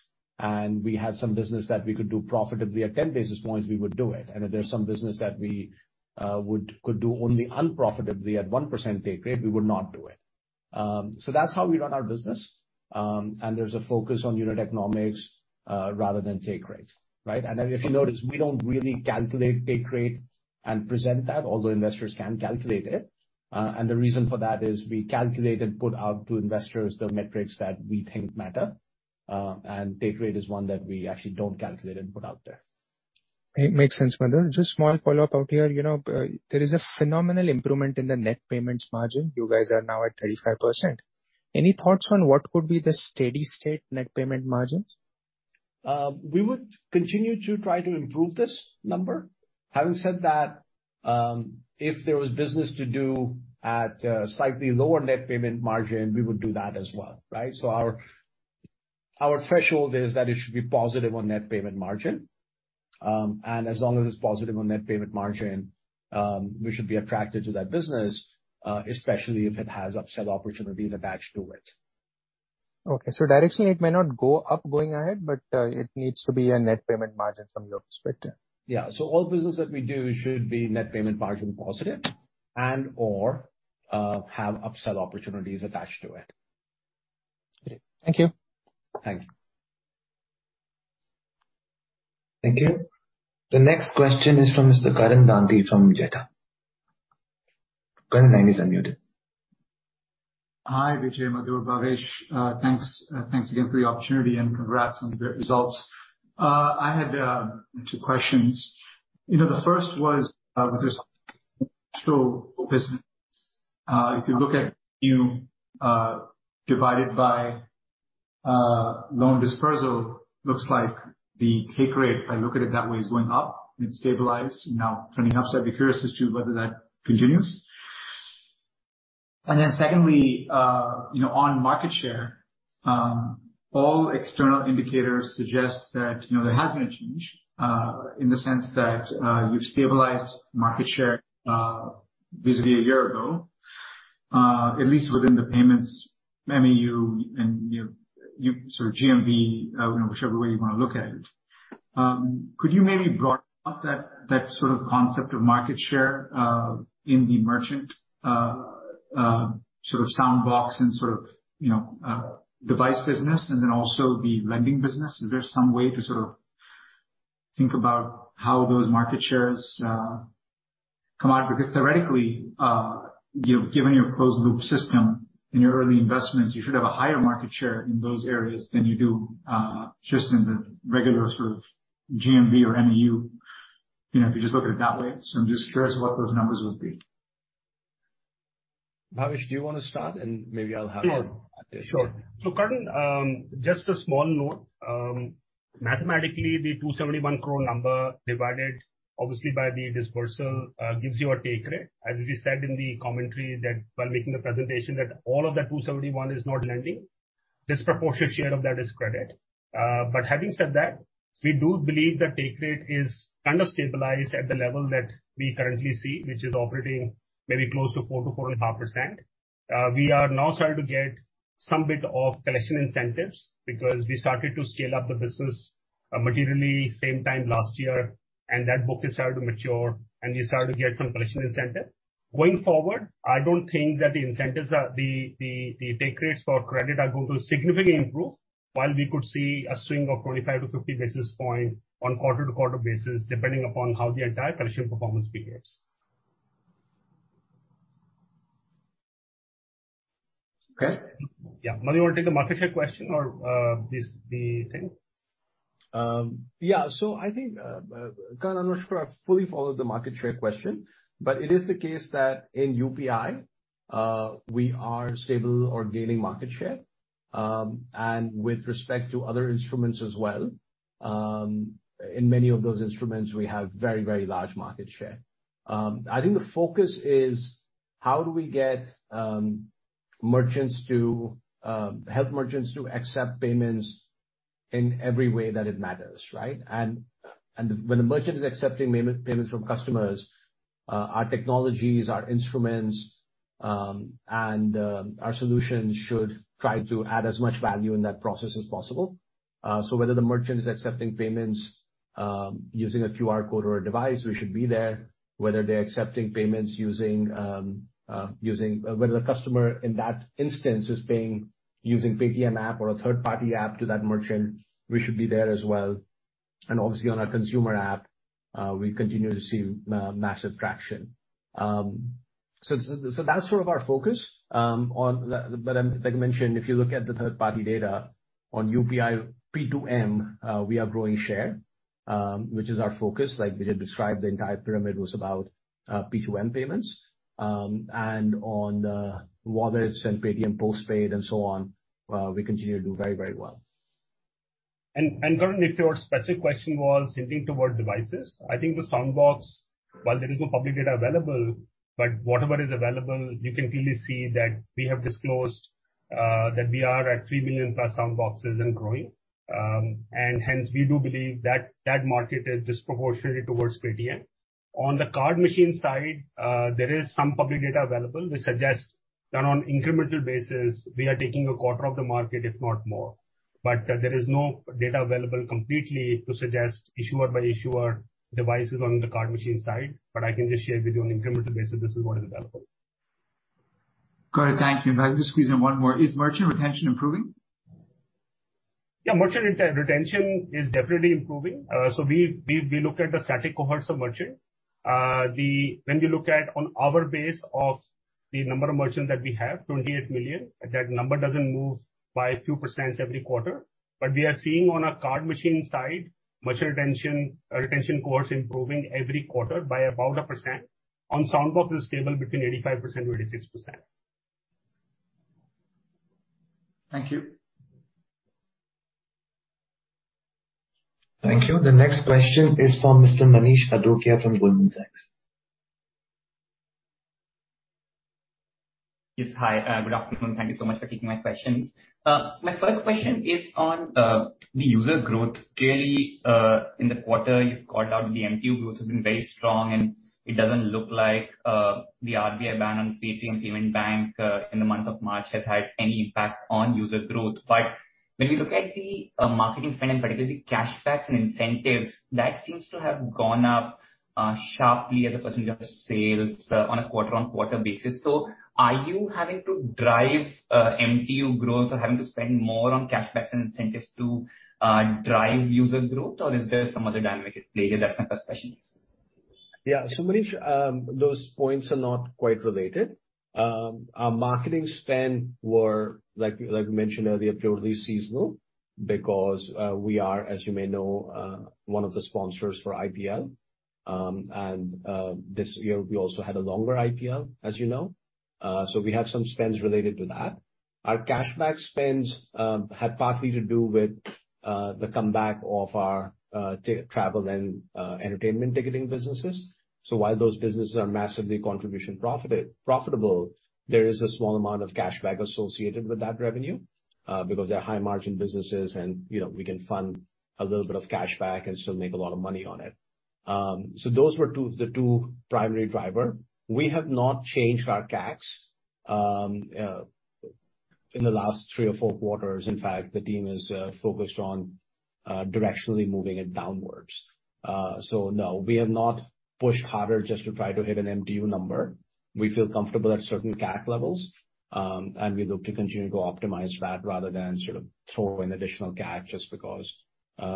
and we had some business that we could do profitably at 10 basis points, we would do it. If there's some business that we could do only unprofitably at 1% take rate, we would not do it. That's how we run our business. There's a focus on unit economics rather than take rates, right? If you notice, we don't really calculate take rate and present that, although investors can calculate it. The reason for that is we calculate and put out to investors the metrics that we think matter, and take rate is one that we actually don't calculate and put out there. It makes sense, Madhur. Just small follow-up out here. You know, there is a phenomenal improvement in the net payments margin. You guys are now at 35%. Any thoughts on what could be the steady-state net payment margins? We would continue to try to improve this number. Having said that, if there was business to do at slightly lower net payment margin, we would do that as well, right? Our threshold is that it should be positive on net payment margin. As long as it's positive on net payment margin, we should be attracted to that business, especially if it has upsell opportunity attached to it. Directionally it may not go up going ahead, but it needs to be a net payment margin from your perspective. Yeah. All business that we do should be net payment margin positive and or have upsell opportunities attached to it. Great. Thank you. Thank you. Thank you. The next question is from Mr. Karan Danthi from BNP Paribas. Karan, line is unmuted. Hi, Vijay, Madhur, Bhavesh. Thanks again for the opportunity and congrats on the great results. I had two questions. You know, the first was, because if you look at new divided by loan disbursal, looks like the take rate, if I look at it that way, is going up and it's stabilized, now turning up. I'd be curious as to whether that continues. Secondly, you know, on market share, all external indicators suggest that, you know, there has been a change, in the sense that, you've stabilized market share, visibly a year ago, at least within the payments MTU and, you know, sort of GMV, you know, whichever way you wanna look at it. Could you maybe broaden up that sort of concept of market share in the merchant sort of Soundbox and sort of, you know, device business and then also the lending business? Is there some way to sort of think about how those market shares come out? Because theoretically, you know, given your closed loop system in your early investments, you should have a higher market share in those areas than you do just in the regular sort of GMV or MTU, you know, if you just look at it that way. I'm just curious what those numbers would be. Bhavesh, do you wanna start? Yeah. Add to it. Sure. Karan, just a small note. Mathematically, the 271 crore number divided obviously by the disbursal gives you a take rate. As we said in the commentary that while making the presentation, that all of that 271 crore is not lending. Disproportionate share of that is credit. Having said that, we do believe the take rate is kind of stabilized at the level that we currently see, which is operating maybe close to 4%-4.5%. We are now starting to get some bit of collection incentives, because we started to scale up the business materially same time last year, and that book has started to mature, and we started to get some collection incentive. Going forward, I don't think that the incentives are the pay rates for credit are going to significantly improve while we could see a swing of 25-50 basis points on quarter-to-quarter basis, depending upon how the entire collection performance behaves. Okay. Yeah. Madhur, you wanna take the market share question or, this, the thing? Yeah. I think, Kunal Vora, I'm not sure I fully followed the market share question, but it is the case that in UPI, we are stable or gaining market share. With respect to other instruments as well, in many of those instruments, we have very large market share. I think the focus is how do we help merchants to accept payments in every way that it matters, right? When a merchant is accepting payments from customers, our technologies, our instruments, and our solutions should try to add as much value in that process as possible. Whether the merchant is accepting payments using a QR code or a device, we should be there. Whether the customer in that instance is paying using Paytm app or a third-party app to that merchant, we should be there as well. Obviously on our consumer app, we continue to see massive traction. So that's sort of our focus. But like you mentioned, if you look at the third-party data on UPI P2M, we are growing share, which is our focus. Like Vijay described, the entire pyramid was about P2M payments. On wallets and Paytm Postpaid and so on, we continue to do very, very well. Karan, if your specific question was hinting toward devices, I think the Soundbox, while there is no public data available, but whatever is available, you can clearly see that we have disclosed that we are at three million plus Soundboxes and growing. And hence we do believe that that market is disproportionately towards Paytm. On the card machine side, there is some public data available which suggests that on incremental basis, we are taking a quarter of the market, if not more. There is no data available completely to suggest issuer by issuer devices on the card machine side, but I can just share with you on incremental basis, this is what is available. Got it. Thank you. Can I just squeeze in one more? Is merchant retention improving? Yeah. Merchant retention is definitely improving. So we look at the static cohorts of merchants. When we look at our base of the number of merchants that we have, 28 million, that number doesn't move by a few percent every quarter. We are seeing on our card machine side, merchant retention cohorts improving every quarter by about 1%. On Soundbox it's stable between 85%-86%. Thank you. Thank you. The next question is from Mr. Manish Adukia from Goldman Sachs. Yes. Hi, good afternoon. Thank you so much for taking my questions. My first question is on the user growth. Clearly, in the quarter, you've called out the MTU growth has been very strong, and it doesn't look like the RBI ban on Paytm Payments Bank in the month of March has had any impact on user growth. When we look at the marketing spend, in particular the cashbacks and incentives, that seems to have gone up sharply as a percentage of sales on a quarter-on-quarter basis. Are you having to drive MTU growth or having to spend more on cashbacks and incentives to drive user growth, or is there some other dynamic at play here that I'm not questioning? Yeah. Manish, those points are not quite related. Our marketing spend were like we mentioned earlier, purely seasonal because we are, as you may know, one of the sponsors for IPL. This year we also had a longer IPL, as you know. We had some spends related to that. Our cashback spends had partly to do with the comeback of our travel and entertainment ticketing businesses. While those businesses are massively contribution profitable, there is a small amount of cashback associated with that revenue because they're high margin businesses and, you know, we can fund a little bit of cashback and still make a lot of money on it. Those were the two primary driver. We have not changed our CapEX in the last three or four quarters. In fact, the team is focused on directionally moving it downwards. No, we have not pushed harder just to try to hit an MTU number. We feel comfortable at certain CAC levels, and we look to continue to optimize that rather than sort of throw in additional CAC just because. I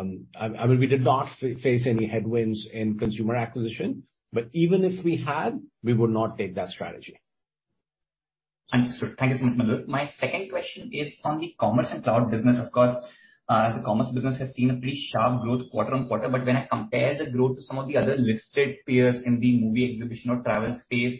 mean, we did not face any headwinds in consumer acquisition, but even if we had, we would not take that strategy. Understood. Thank you so much, Madhur. My second question is on the commerce and cloud business. Of course, the commerce business has seen a pretty sharp growth quarter-on-quarter, but when I compare the growth to some of the other listed peers in the movie exhibition or travel space,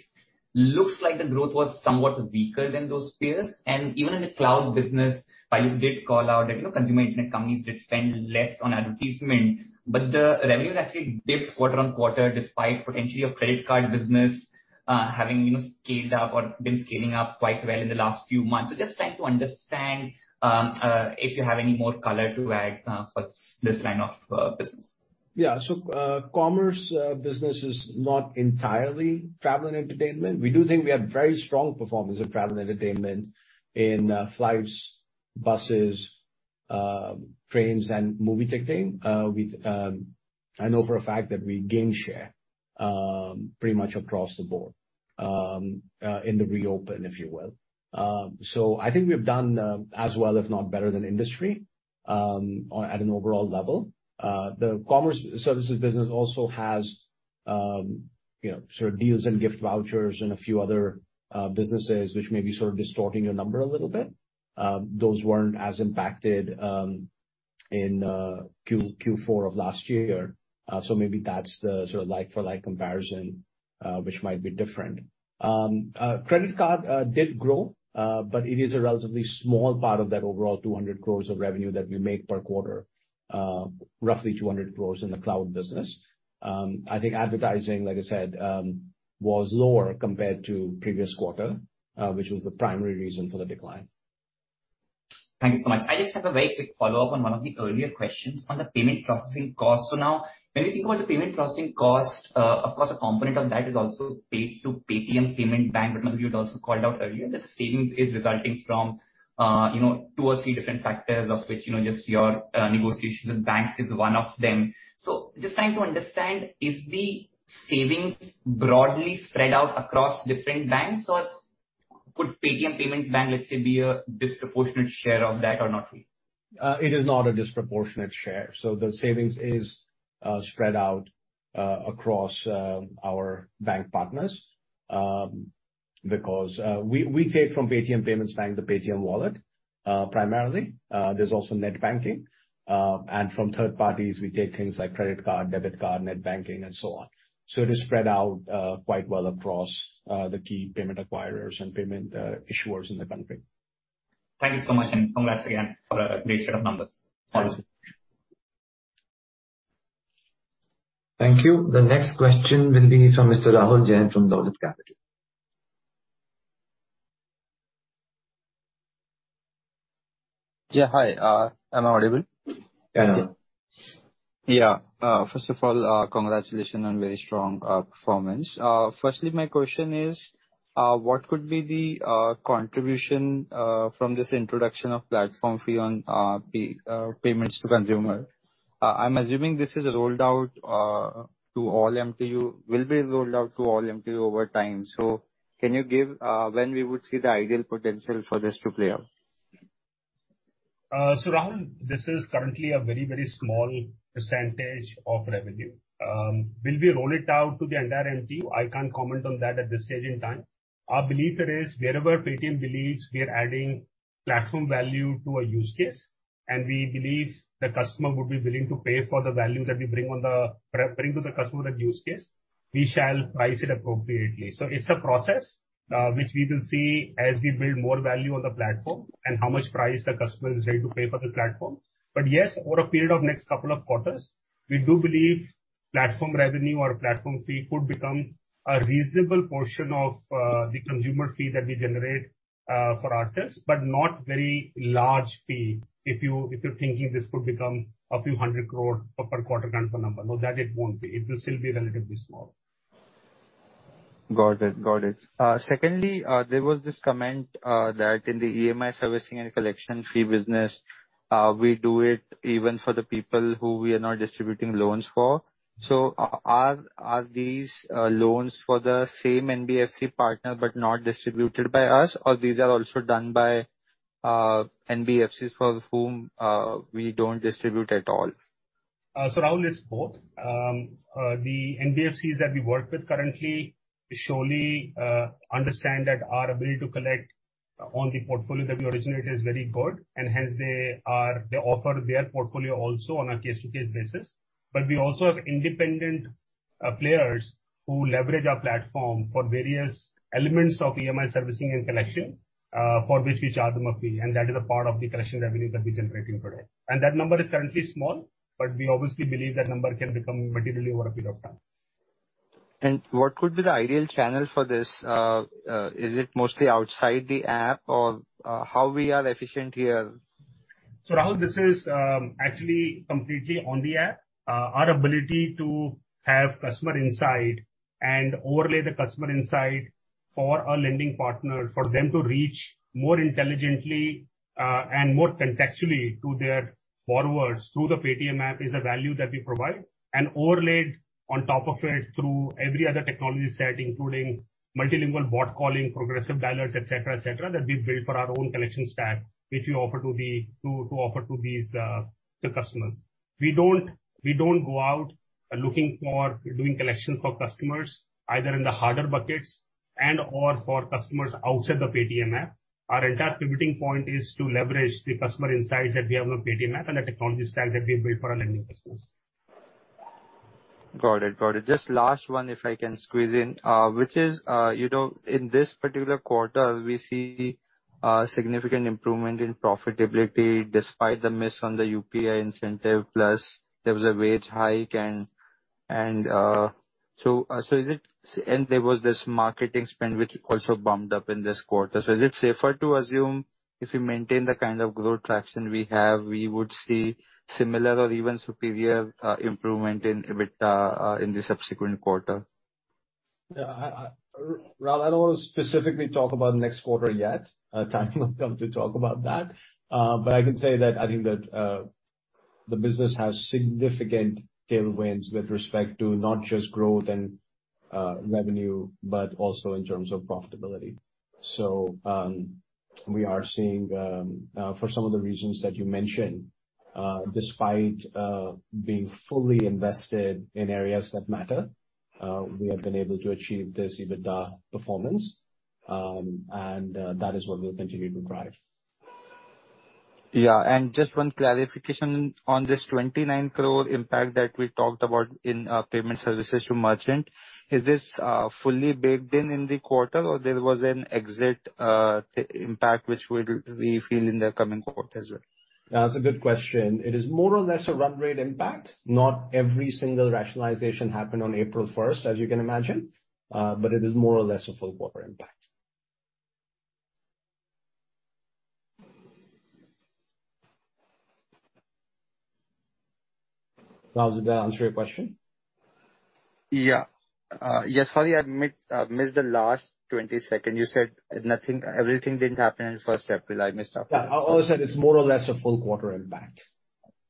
looks like the growth was somewhat weaker than those peers. Even in the cloud business, while you did call out that, you know, consumer internet companies did spend less on advertisement, but the revenues actually dipped quarter-on-quarter despite potentially your credit card business having, you know, scaled up or been scaling up quite well in the last few months. Just trying to understand if you have any more color to add for this line of business. Yeah. Commerce business is not entirely travel and entertainment. We do think we have very strong performance in travel and entertainment in flights, buses, trains and movie ticketing. I know for a fact that we gain share pretty much across the board in the reopen, if you will. I think we've done as well, if not better than industry or at an overall level. The commerce services business also has you know, sort of deals and gift vouchers and a few other businesses which may be sort of distorting your number a little bit. Those weren't as impacted in Q4 of last year. Maybe that's the sort of like-for-like comparison which might be different. Credit card did grow, but it is a relatively small part of that overall 200 crores of revenue that we make per quarter, roughly 200 crores in the cloud business. I think advertising, like I said, was lower compared to previous quarter, which was the primary reason for the decline. Thank you so much. I just have a very quick follow-up on one of the earlier questions on the payment processing cost. Now when you think about the payment processing cost, of course, a component of that is also paid to Paytm Payments Bank. One of you had also called out earlier that the savings is resulting from, you know, two or three different factors, of which, you know, just your negotiation with banks is one of them. Just trying to understand, is the savings broadly spread out across different banks? Could Paytm Payments Bank, let's say, be a disproportionate share of that or not? It is not a disproportionate share. The savings is spread out across our bank partners because we take from Paytm Payments Bank, the Paytm wallet primarily. There's also net banking. From third parties we take things like credit card, debit card, net banking and so on. It is spread out quite well across the key payment acquirers and payment issuers in the country. Thank you so much, and congrats again for a great set of numbers. Thank you. Thank you. The next question will be from Mr. Rahul Jain from Dolat Capital. Yeah, hi. Am I audible? Yeah. Yeah. First of all, congratulations on very strong performance. Firstly, my question is, what could be the contribution from this introduction of platform fee on payments to consumer? I'm assuming this will be rolled out to all MTU over time. Can you give when we would see the ideal potential for this to play out? Rahul, this is currently a very, very small percentage of revenue. Will we roll it out to the entire MTU? I can't comment on that at this stage in time. Our belief is wherever Paytm believes we are adding platform value to a use case, and we believe the customer would be willing to pay for the value that we bring to the customer, that use case, we shall price it appropriately. It's a process, which we will see as we build more value on the platform and how much price the customer is ready to pay for the platform. Yes, over a period of next couple of quarters, we do believe platform revenue or platform fee could become a reasonable portion of the consumer fee that we generate for ourselves, but not very large fee. If you're thinking this could become INR a few hundred crore per quarter kind of a number. No, that it won't be. It will still be relatively small. Got it. Secondly, there was this comment that in the EMI servicing and collection fee business, we do it even for the people who we are not distributing loans for. Are these loans for the same NBFC partner but not distributed by us, or these are also done by NBFCs for whom we don't distribute at all? Rahul, it's both. The NBFCs that we work with currently surely understand that our ability to collect on the portfolio that we originate is very good, and hence they offer their portfolio also on a case-to-case basis. We also have independent players who leverage our platform for various elements of EMI servicing and collection for which we charge them a fee, and that is a part of the collection revenue that we're generating today. That number is currently small, but we obviously believe that number can become materially over a period of time. What could be the ideal channel for this? Is it mostly outside the app or how we are efficient here? Rahul, this is actually completely on the app. Our ability to have customer insight and overlay the customer insight for our lending partner, for them to reach more intelligently and more contextually to their borrowers through the Paytm app is a value that we provide. Overlaid on top of it through every other technology set, including multilingual bot calling, progressive dialers, et cetera, that we've built for our own collection stack, which we offer to these customers. We don't go out looking for doing collection for customers either in the harder buckets and/or for customers outside the Paytm app. Our entire pivoting point is to leverage the customer insights that we have on Paytm app and the technology stack that we build for our lending business. Got it. Just last one, if I can squeeze in. Which is, you know, in this particular quarter, we see significant improvement in profitability despite the miss on the UPI incentive, plus there was a wage hike and there was this marketing spend which also bumped up in this quarter. Is it safer to assume if we maintain the kind of growth traction we have, we would see similar or even superior improvement in EBITDA in the subsequent quarter? Yeah. Rahul, I don't wanna specifically talk about next quarter yet. Time will come to talk about that. I can say that I think that the business has significant tailwinds with respect to not just growth and revenue, but also in terms of profitability. We are seeing for some of the reasons that you mentioned, despite being fully invested in areas that matter, we have been able to achieve this EBITDA performance. That is what we'll continue to drive. Yeah. Just one clarification on this 29 crore impact that we talked about in payment services to merchant. Is this fully baked in the quarter, or there was an exit impact which we'll feel in the coming quarter as well? That's a good question. It is more or less a run rate impact. Not every single rationalization happened on April first, as you can imagine. It is more or less a full quarter impact. Rahul, did that answer your question? Yes. Sorry, I missed the last 20 seconds. You said nothing, everything didn't happen in first April. I missed after that. Yeah. All I said, it's more or less a full quarter impact.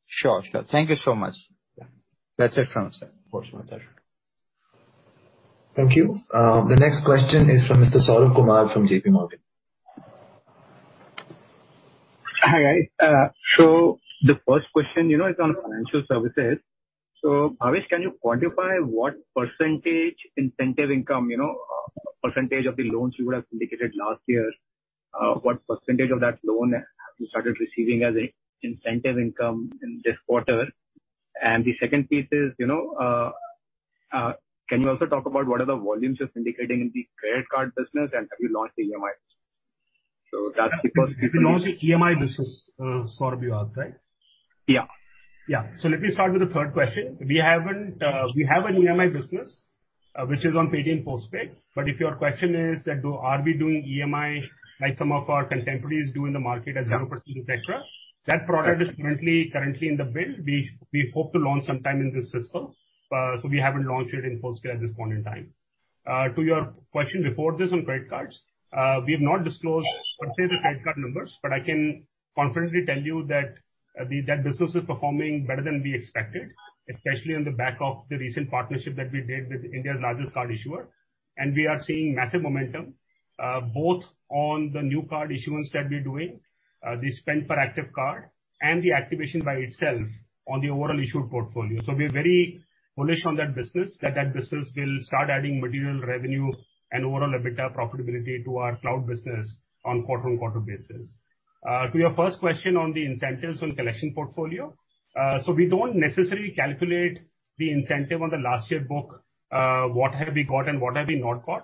Sure. Sure. Thank you so much. Yeah. That's it from us then. Of course. My pleasure. Thank you. The next question is from Mr. Saurabh Kumar from JP Morgan. Hi. The first question, you know, is on financial services. Bhavesh, can you quantify what percentage incentive income, you know, percentage of the loans you would have indicated last year, what percentage of that loan have you started receiving as a incentive income in this quarter? And the second piece is, you know, can you also talk about what are the volumes you're indicating in the credit card business, and have you launched the EMI? That's the first piece. You launched the EMI business, Saurabh, you asked, right? Yeah. Let me start with the third question. We have an EMI business, which is on Paytm Postpaid. But if your question is are we doing EMI like some of our contemporaries do in the market as et cetera, that product is currently in the build. We hope to launch sometime in this fiscal. We haven't launched it in full scale at this point in time. To your question before this on credit cards, we have not disclosed specific credit card numbers, but I can confidently tell you that that business is performing better than we expected, especially on the back of the recent partnership that we did with India's largest card issuer. We are seeing massive momentum both on the new card issuance that we're doing, the spend per active card and the activation by itself on the overall issued portfolio. We're very bullish on that business that business will start adding material revenue and overall EBITDA profitability to our cloud business on quarter-on-quarter basis. To your first question on the incentives on collection portfolio, so we don't necessarily calculate the incentive on the last year book, what have we got and what have we not got.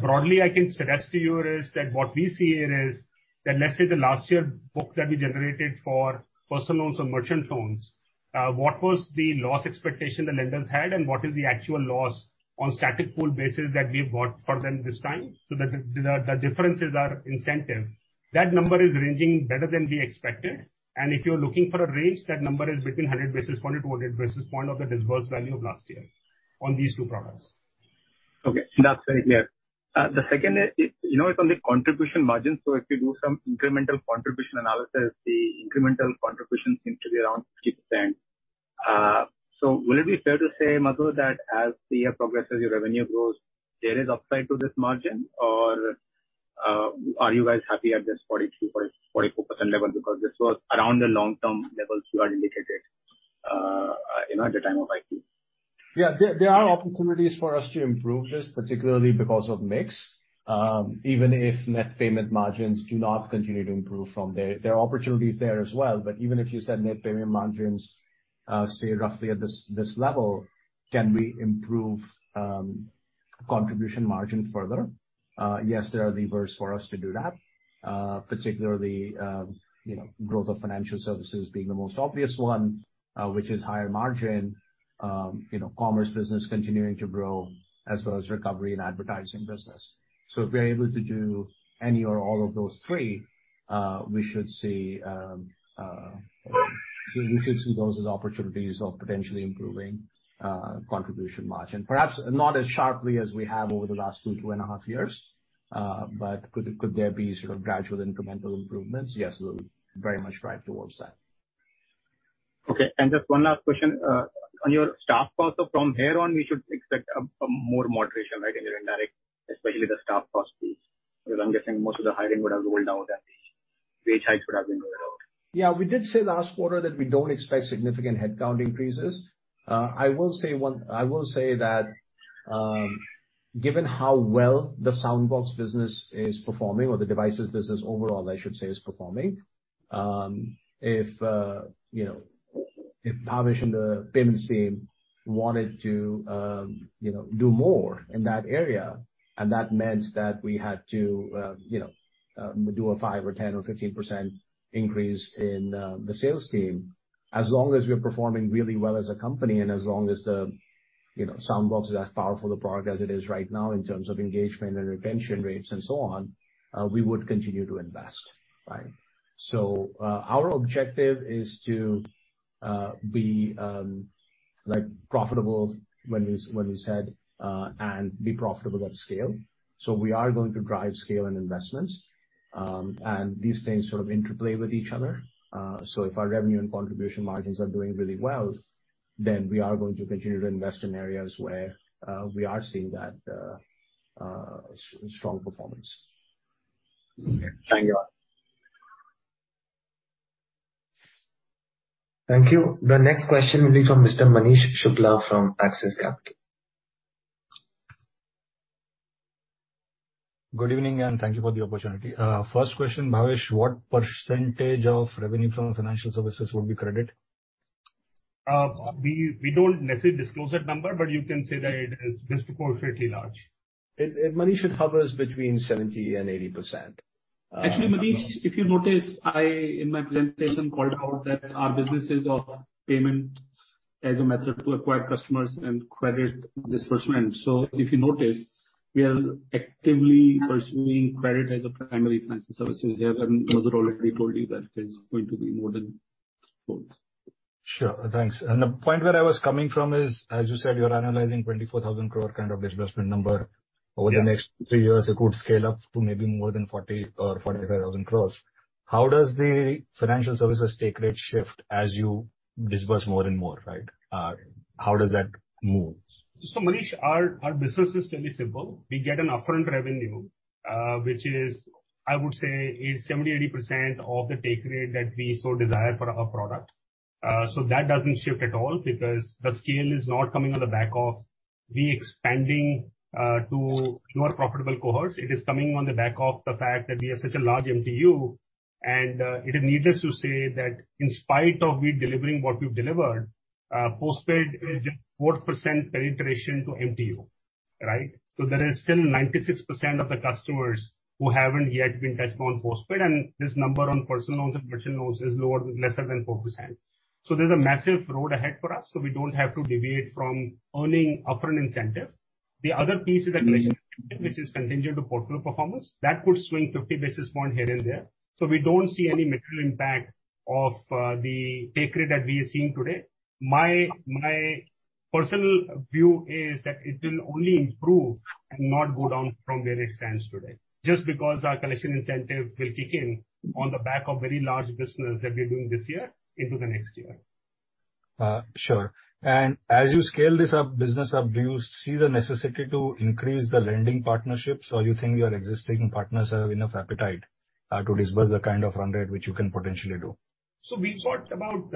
Broadly, I can suggest to you is that what we see it is that let's say the last year book that we generated for personal loans or merchant loans, what was the loss expectation the lenders had and what is the actual loss on static pool basis that we have got for them this time, so that the difference is our incentive. That number is ranging better than we expected. If you're looking for a range, that number is between 100-200 basis points of the disbursed value of last year on these two products. Okay, that's very clear. The second is, you know, it's on the contribution margin, so if you do some incremental contribution analysis, the incremental contribution seems to be around 50%. So will it be fair to say, Madhur, that as the year progresses, your revenue grows, there is upside to this margin? Or, are you guys happy at this 42.44% level? Because this was around the long term levels you had indicated, you know, at the time of IPO. Yeah. There are opportunities for us to improve this, particularly because of mix. Even if net payment margins do not continue to improve from there are opportunities there as well. Even if you said net payment margins stay roughly at this level, can we improve contribution margin further? Yes, there are levers for us to do that. Particularly, you know, growth of financial services being the most obvious one, which is higher margin. You know, commerce business continuing to grow as well as recovery in advertising business. If we're able to do any or all of those three, we should see those as opportunities of potentially improving contribution margin. Perhaps not as sharply as we have over the last 2.5 years, but could there be sort of gradual incremental improvements? Yes, we'll very much drive towards that. Okay. Just one last question. On your staff cost, so from here on, we should expect a more moderation, right, in your indirect, especially the staff cost piece. Because I'm guessing most of the hiring would have rolled down and the wage hikes would have been rolled out. Yeah, we did say last quarter that we don't expect significant headcount increases. I will say that, given how well the Soundbox business is performing or the devices business overall, I should say, is performing, if you know, if Bhavesh and the payments team wanted to, you know, do more in that area, and that meant that we had to you know, do a 5% or 10% or 15% increase in the sales team. As long as we're performing really well as a company and as long as the you know, Soundbox is as powerful a product as it is right now in terms of engagement and retention rates and so on, we would continue to invest, right? Our objective is to be like profitable when we said and be profitable at scale. We are going to drive scale and investments, and these things sort of interplay with each other. If our revenue and contribution margins are doing really well, then we are going to continue to invest in areas where we are seeing that strong performance. Thank you. Thank you. The next question will be from Mr. Manish Shukla from Axis Capital. Good evening, and thank you for the opportunity. First question, Bhavesh: What percentage of revenue from financial services would be credit? We don't necessarily disclose that number, but you can say that it is disproportionately large. It, Manish, it hovers between 70% and 80%. Actually, Manish, if you notice, I, in my presentation, called out that our businesses of payment as a method to acquire customers and credit disbursement. If you notice, we are actively pursuing credit as a primary financial service. Madhur already told you that it is going to be more than both. Sure. Thanks. The point where I was coming from is, as you said, you're analyzing 24,000 crore kind of disbursement number. Yeah. Over the next three years, it could scale up to maybe more than 40,000-45,000 crores. How does the financial services take rate shift as you disburse more and more, right? How does that move? Manish, our business is fairly simple. We get an upfront revenue, which is, I would say, 70%-80% of the take rate that we so desire for our product. That doesn't shift at all because the scale is not coming on the back of we expanding to more profitable cohorts. It is coming on the back of the fact that we are such a large MTU. It is needless to say that in spite of we delivering what we've delivered, postpaid is just 4% penetration to MTU, right? There is still 96% of the customers who haven't yet been touched on postpaid, and this number on personal loans and merchant loans is lower, less than 4%. There's a massive road ahead for us, so we don't have to deviate from earning upfront incentive. The other piece is the collection incentive, which is contingent to portfolio performance. That could swing 50 basis points here and there. We don't see any material impact of the take rate that we are seeing today. My personal view is that it will only improve and not go down from where it stands today, just because our collection incentive will kick in on the back of very large business that we're doing this year into the next year. Sure. As you scale this business up, do you see the necessity to increase the lending partnerships? Or do you think your existing partners have enough appetite to disburse the kind of run rate which you can potentially do? We've talked about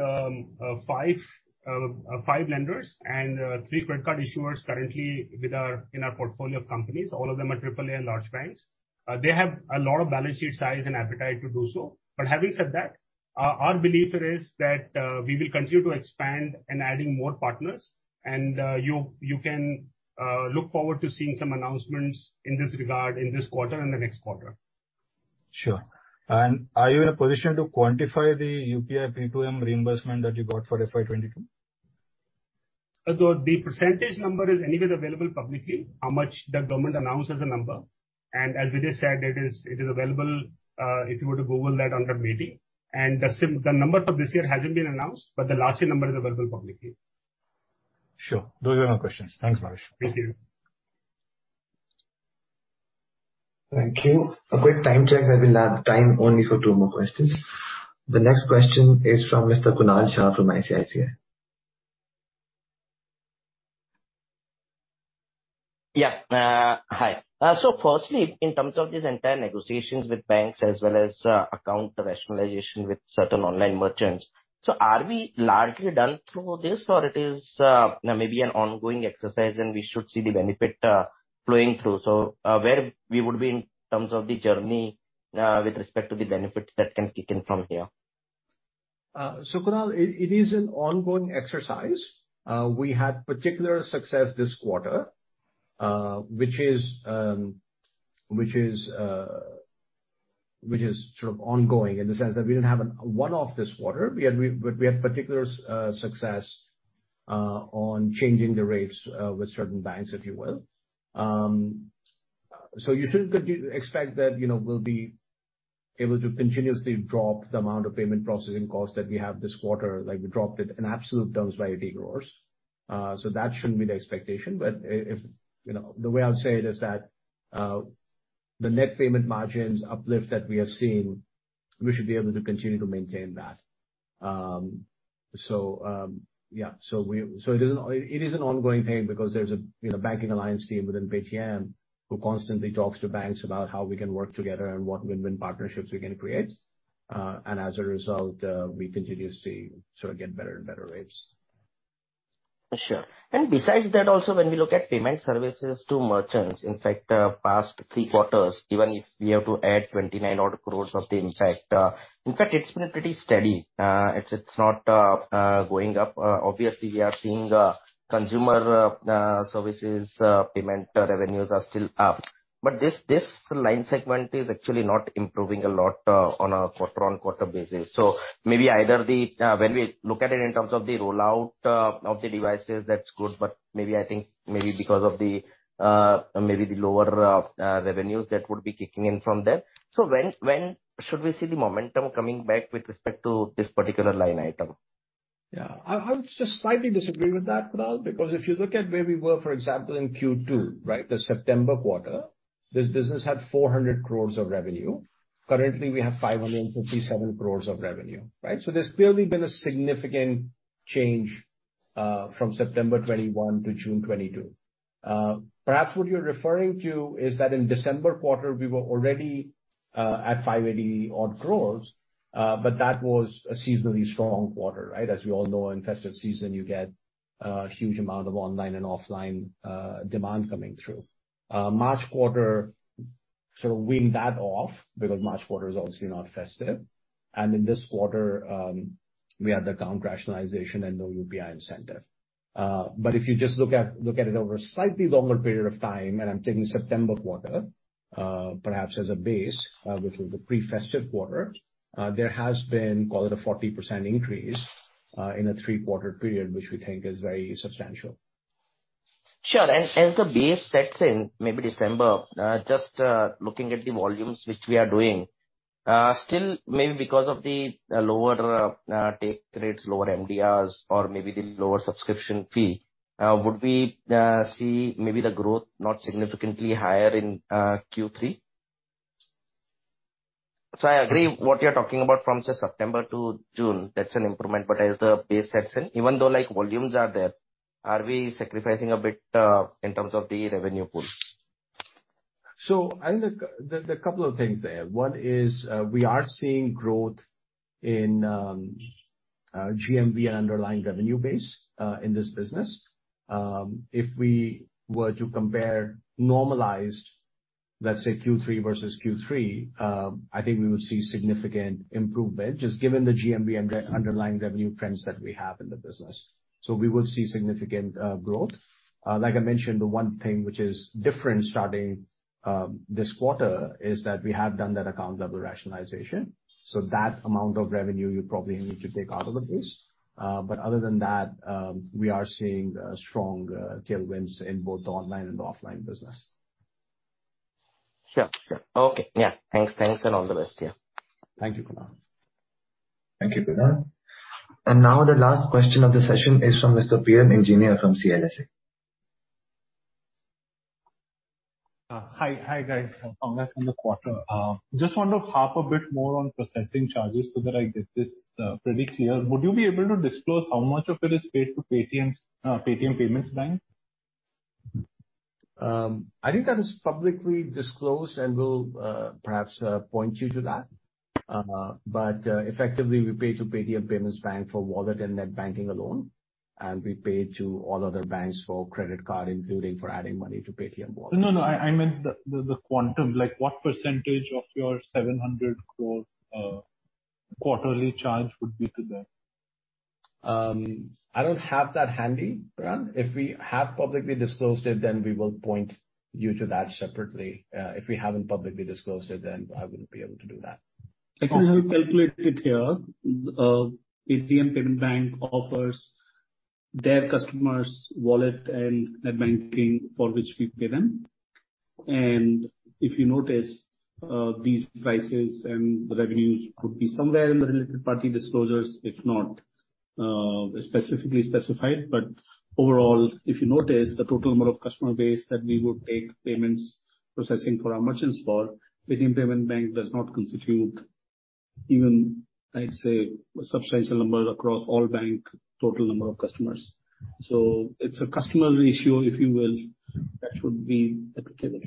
five lenders and three credit card issuers currently with our portfolio of companies. All of them are AAA large banks. They have a lot of balance sheet size and appetite to do so. But having said that, our belief is that we will continue to expand and adding more partners. You can look forward to seeing some announcements in this regard in this quarter and the next quarter. Sure. Are you in a position to quantify the UPI P2M reimbursement that you got for FY22? The percentage number is anyway available publicly, how much the government announced as a number. As Vijay said, it is available, if you were to Google that on the MeitY. The number for this year hasn't been announced, but the last year number is available publicly. Sure. Those were my questions. Thanks, Bhavesh. Thank you. Thank you. A quick time check. I will have time only for two more questions. The next question is from Mr. Kunal Shah from ICICI. Yeah. Hi. Firstly, in terms of this entire negotiations with banks as well as, account rationalization with certain online merchants, so are we largely done through this or it is, maybe an ongoing exercise and we should see the benefit, flowing through? Where we would be in terms of the journey, with respect to the benefits that can kick in from here? Kunal, it is an ongoing exercise. We had particular success this quarter, which is sort of ongoing in the sense that we didn't have a one-off this quarter. We had particular success on changing the rates with certain banks, if you will. You shouldn't expect that, you know, we'll be able to continuously drop the amount of payment processing costs that we have this quarter, like we dropped it in absolute terms by 80 crores. That shouldn't be the expectation. If, you know, the way I'll say it is that the net payment margins uplift that we are seeing, we should be able to continue to maintain that. It is an ongoing thing because there's a, you know, banking alliance team within Paytm who constantly talks to banks about how we can work together and what win-win partnerships we can create. As a result, we continue to see sort of get better and better rates. Sure. Besides that, also when we look at payment services to merchants, in fact, past three quarters, even if we have to add 29-odd crores of the impact, in fact, it's been pretty steady. It's not going up. Obviously we are seeing consumer services payment revenues are still up. This line segment is actually not improving a lot, on a quarter-on-quarter basis. Maybe either when we look at it in terms of the rollout of the devices, that's good, but maybe I think because of the lower revenues that would be kicking in from there. When should we see the momentum coming back with respect to this particular line item? Yeah. I would just slightly disagree with that, Kunal, because if you look at where we were, for example, in Q2, right? The September quarter, this business had 400 crore of revenue. Currently, we have 557 crore of revenue, right? So there's clearly been a significant change from September 2021 to June 2022. Perhaps what you're referring to is that in December quarter we were already at 580-odd crore, but that was a seasonally strong quarter, right? As we all know, in festive season you get a huge amount of online and offline demand coming through. March quarter sort of wean that off because March quarter is obviously not festive. In this quarter, we had the account rationalization and no UPI incentive. If you just look at it over a slightly longer period of time, and I'm taking September quarter, perhaps as a base, which was a pre-festive quarter, there has been, call it a 40% increase, in a three-quarter period, which we think is very substantial. Sure. The base sets in maybe December. Just looking at the volumes which we are doing, still maybe because of the lower take rates, lower MDRs or maybe the lower subscription fee, would we see maybe the growth not significantly higher in Q3? I agree what you're talking about from say September to June, that's an improvement. As the base sets in, even though like volumes are there, are we sacrificing a bit in terms of the revenue pool? I think there are a couple of things there. One is, we are seeing growth in GMV and underlying revenue base in this business. If we were to compare normalized, let's say Q3 versus Q3, I think we would see significant improvement just given the GMV and the underlying revenue trends that we have in the business. We will see significant growth. Like I mentioned, the one thing which is different starting this quarter is that we have done that account level rationalization. That amount of revenue you probably need to take out of the base. Other than that, we are seeing strong tailwinds in both the online and the offline business. Sure. Okay. Yeah. Thanks and all the best. Yeah. Thank you, Kunal. Thank you, Kunal. Now the last question of the session is from Mr. Piran Engineer from CLSA. Hi. Hi guys. Congrats on the quarter. Just want to harp a bit more on processing charges so that I get this pretty clear. Would you be able to disclose how much of it is paid to Paytm's Paytm Payments Bank? I think that is publicly disclosed, and we'll perhaps point you to that. Effectively, we pay to Paytm Payments Bank for wallet and net banking alone, and we pay to all other banks for credit card, including for adding money to Paytm wallet. No. I meant the quantum. Like, what percentage of your 700 crore quarterly charge would be to them? I don't have that handy, Piran. If we have publicly disclosed it, then we will point you to that separately. If we haven't publicly disclosed it, then I wouldn't be able to do that. I think I have calculated here. Paytm Payments Bank offers their customers wallet and net banking for which we pay them. If you notice, these prices and revenues could be somewhere in the related party disclosures, if not, specifically specified. Overall, if you notice the total amount of customer base that we would take payments processing for our merchants for, Paytm Payments Bank does not constitute even, I'd say, a substantial number across all bank total number of customers. It's a customer ratio, if you will, that should be applicable.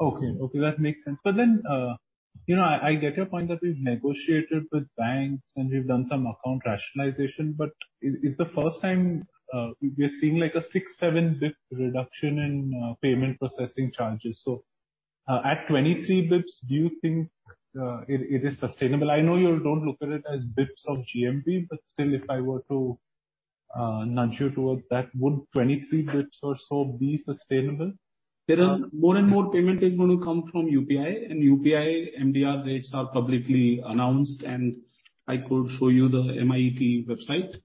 Okay. Okay, that makes sense. You know, I get your point that we've negotiated with banks and we've done some account rationalization, but this is the first time we're seeing like a 6-7 basis points reduction in payment processing charges. At 23 basis points, do you think it is sustainable? I know you don't look at it as basis points of GMV, but still if I were to nudge you towards that, would 23 basis points or so be sustainable? Piran, more and more payment is gonna come from UPI and UPI MDR rates are publicly announced, and I could show you the MeitY website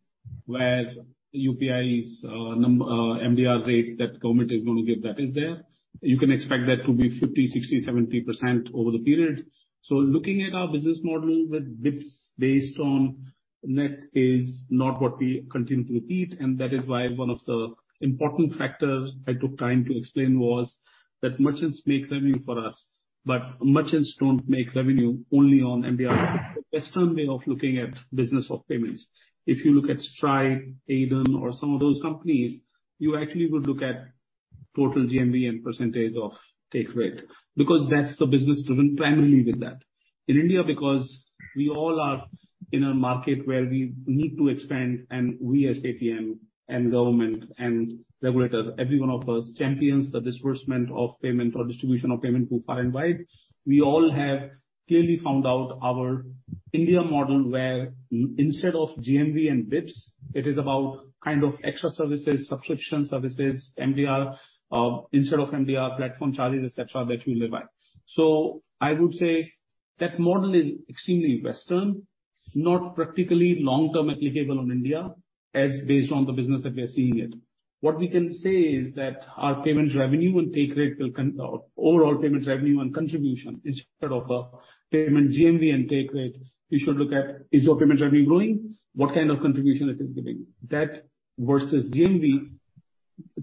where UPI's MDR rate that government is going to give that is there. You can expect that to be 50%, 60%, 70% over the period. Looking at our business model with basis points based on net is not what we continue to repeat, and that is why one of the important factors I took time to explain was that merchants make revenue for us, but merchants don't make revenue only on MDR. The best way of looking at business of payments, if you look at Stripe, Adyen or some of those companies, you actually would look at total GMV and percentage of take rate, because that's the business driven primarily with that. In India, because we all are in a market where we need to expand and we as Paytm and government and regulators, every one of us champions the disbursement of payment or distribution of payment group are invited. We all have clearly found out our India model where instead of GMV and bps, it is about kind of extra services, subscription services, MDR, instead of MDR, platform charges, et cetera, that we live by. I would say that model is extremely Western, not practically long-term applicable in India. Based on the business that we are seeing it. What we can say is that our payments revenue and take rate will, overall, payments revenue and contribution instead of a payment GMV and take rate, we should look at is your payments revenue growing, what kind of contribution it is giving. That versus GMV,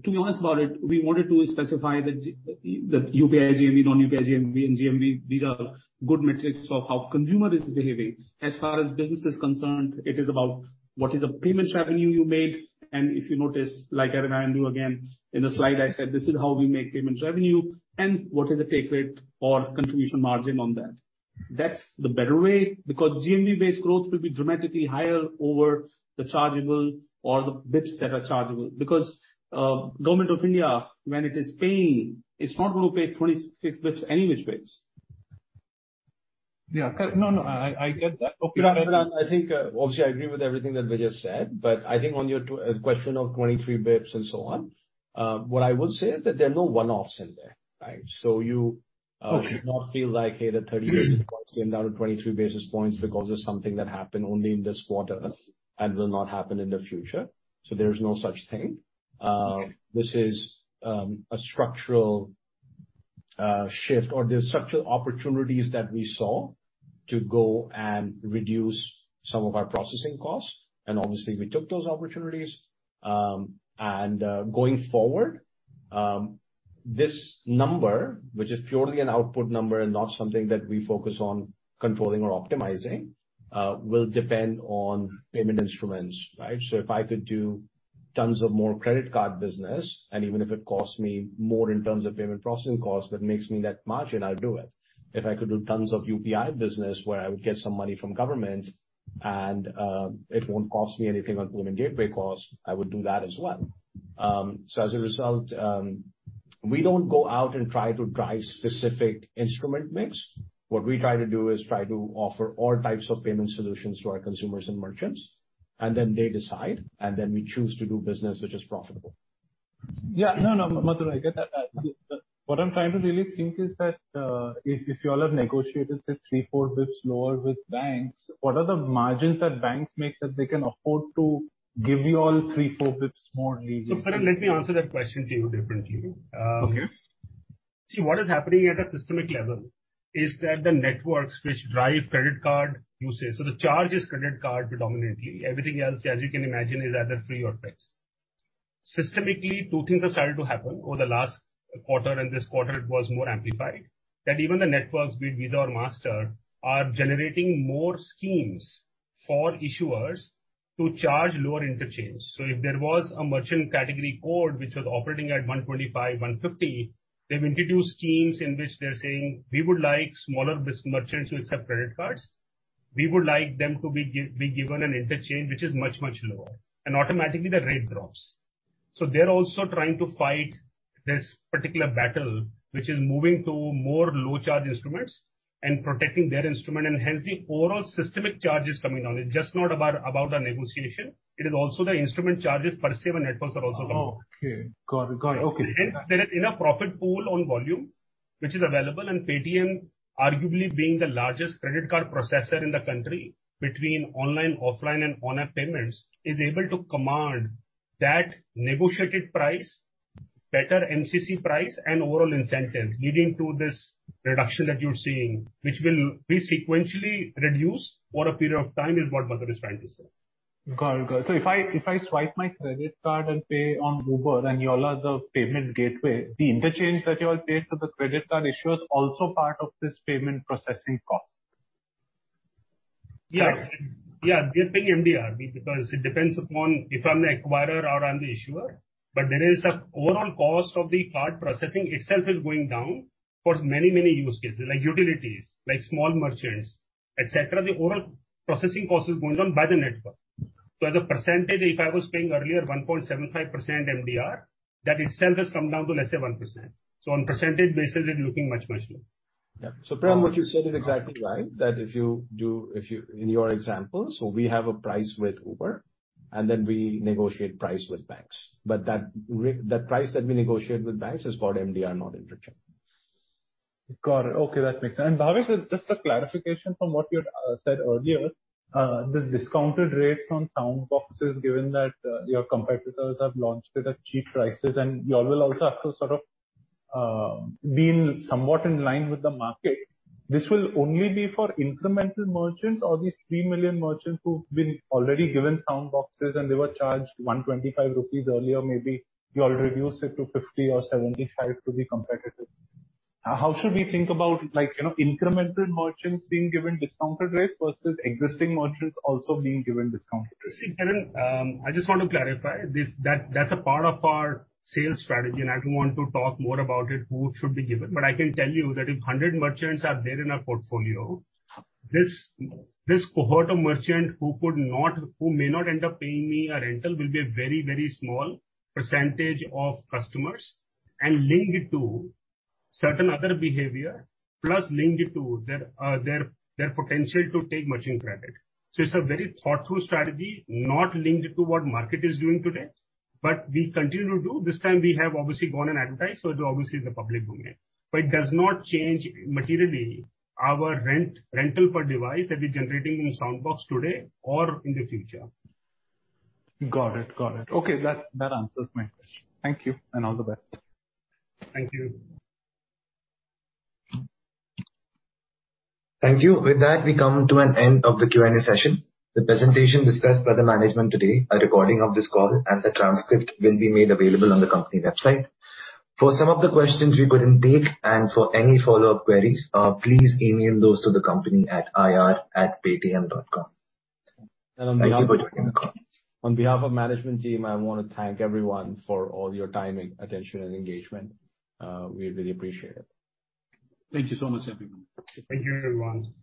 to be honest about it, we wanted to specify the UPI GMV, non-UPI GMV and GMV. These are good metrics of how consumer is behaving. As far as business is concerned, it is about what is the payments revenue you made, and if you notice, like Arun and I do again, in the slide I said, this is how we make payments revenue and what is the take rate or contribution margin on that. That's the better way because GMV-based growth will be dramatically higher over the chargeable or the basis points that are chargeable because Government of India, when it is paying, is not going to pay 26 basis points any which ways. Yeah. No, I get that. Piran, I think, obviously I agree with everything that Vijay said, but I think on your question of 23 basis points and so on, what I would say is that there are no one-offs in there, right? Okay. should not feel like, hey, the 30 basis points came down to 23 basis points because of something that happened only in this quarter and will not happen in the future. So there's no such thing. Okay. This is a structural shift or the structural opportunities that we saw to go and reduce some of our processing costs and obviously we took those opportunities. Going forward, this number, which is purely an output number and not something that we focus on controlling or optimizing, will depend on payment instruments, right? If I could do tons of more credit card business, and even if it costs me more in terms of payment processing costs, but makes me that margin, I'd do it. If I could do tons of UPI business where I would get some money from government and, it won't cost me anything on payment gateway costs, I would do that as well. As a result, we don't go out and try to drive specific instrument mix. What we try to do is offer all types of payment solutions to our consumers and merchants, and then they decide, and then we choose to do business which is profitable. No, no, Madhur, I get that. What I'm trying to really think is that, if you all have negotiated, say, three, four basis points lower with banks, what are the margins that banks make that they can afford to give you all three, four basis points more leeway? Piran, let me answer that question to you differently. Okay. See, what is happening at a systemic level is that the networks which drive credit card usage, so the charge is credit card predominantly. Everything else, as you can imagine, is either free or fixed. Systemically, two things have started to happen over the last quarter, and this quarter it was more amplified, that even the networks, be it Visa or Mastercard, are generating more schemes for issuers to charge lower interchange. So if there was a merchant category code which was operating at 125-150, they've introduced schemes in which they're saying, "We would like smaller merchants who accept credit cards. We would like them to be given an interchange which is much, much lower." Automatically the rate drops. They're also trying to fight this particular battle which is moving to more low charge instruments and protecting their instrument and hence the overall systemic charge is coming down. It's just not about the negotiation. It is also the instrument charges per se when networks are also coming down. Oh, okay. Got it. Okay. Hence there is enough profit pool on volume which is available, and Paytm arguably being the largest credit card processor in the country between online, offline and on-app payments, is able to command that negotiated price, better MCC price and overall incentive, leading to this reduction that you're seeing, which will be sequentially reduced for a period of time is what Madhur is trying to say. Got it. If I swipe my credit card and pay on Uber and you all are the payment gateway, the interchange that you all pay to the credit card issuer is also part of this payment processing cost? Yeah. Yeah. You're paying MDR because it depends upon if I'm the acquirer or I'm the issuer. There is an overall cost of the card processing itself is going down for many, many use cases, like utilities, like small merchants, et cetera. The overall processing cost is going down by the network. As a percentage, if I was paying earlier 1.75% MDR, that itself has come down to, let's say, 1%. On percentage basis, it's looking much, much low. Yeah. Piran, what you said is exactly right. That if you in your example. We have a price with Uber, and then we negotiate price with banks. The price that we negotiate with banks is called MDR, not interchange. Got it. Okay, that makes sense. Bhavesh, just a clarification from what you'd said earlier. This discounted rates on Soundboxes, given that your competitors have launched it at cheap prices and you all will also have to sort of be somewhat in line with the market. This will only be for incremental merchants or these three million merchants who've been already given Soundboxes and they were charged 125 rupees earlier, maybe you all reduce it to 50 or 75 to be competitive. How should we think about like, you know, incremental merchants being given discounted rates versus existing merchants also being given discounted rates? See, Piran, I just want to clarify. That's a part of our sales strategy, and I don't want to talk more about it who should be given. I can tell you that if 100 merchants are there in our portfolio, this cohort of merchant who may not end up paying me a rental will be a very, very small percentage of customers, and link it to certain other behavior, plus link it to their potential to take merchant credit. It's a very thoughtful strategy, not linked to what market is doing today. We continue to do. This time we have obviously gone and advertised, so obviously the public will know. It does not change materially our rental per device that we're generating in Soundbox today or in the future. Got it. Okay, that answers my question. Thank you, and all the best. Thank you. Thank you. With that, we come to an end of the Q&A session. The presentation discussed by the management today, a recording of this call and the transcript will be made available on the company website. For some of the questions we couldn't take, and for any follow-up queries, please email those to the company at ir@paytm.com. Thank you for joining the call. On behalf of management team, I wanna thank everyone for all your time and attention and engagement. We really appreciate it. Thank you so much, everyone. Thank you, everyone.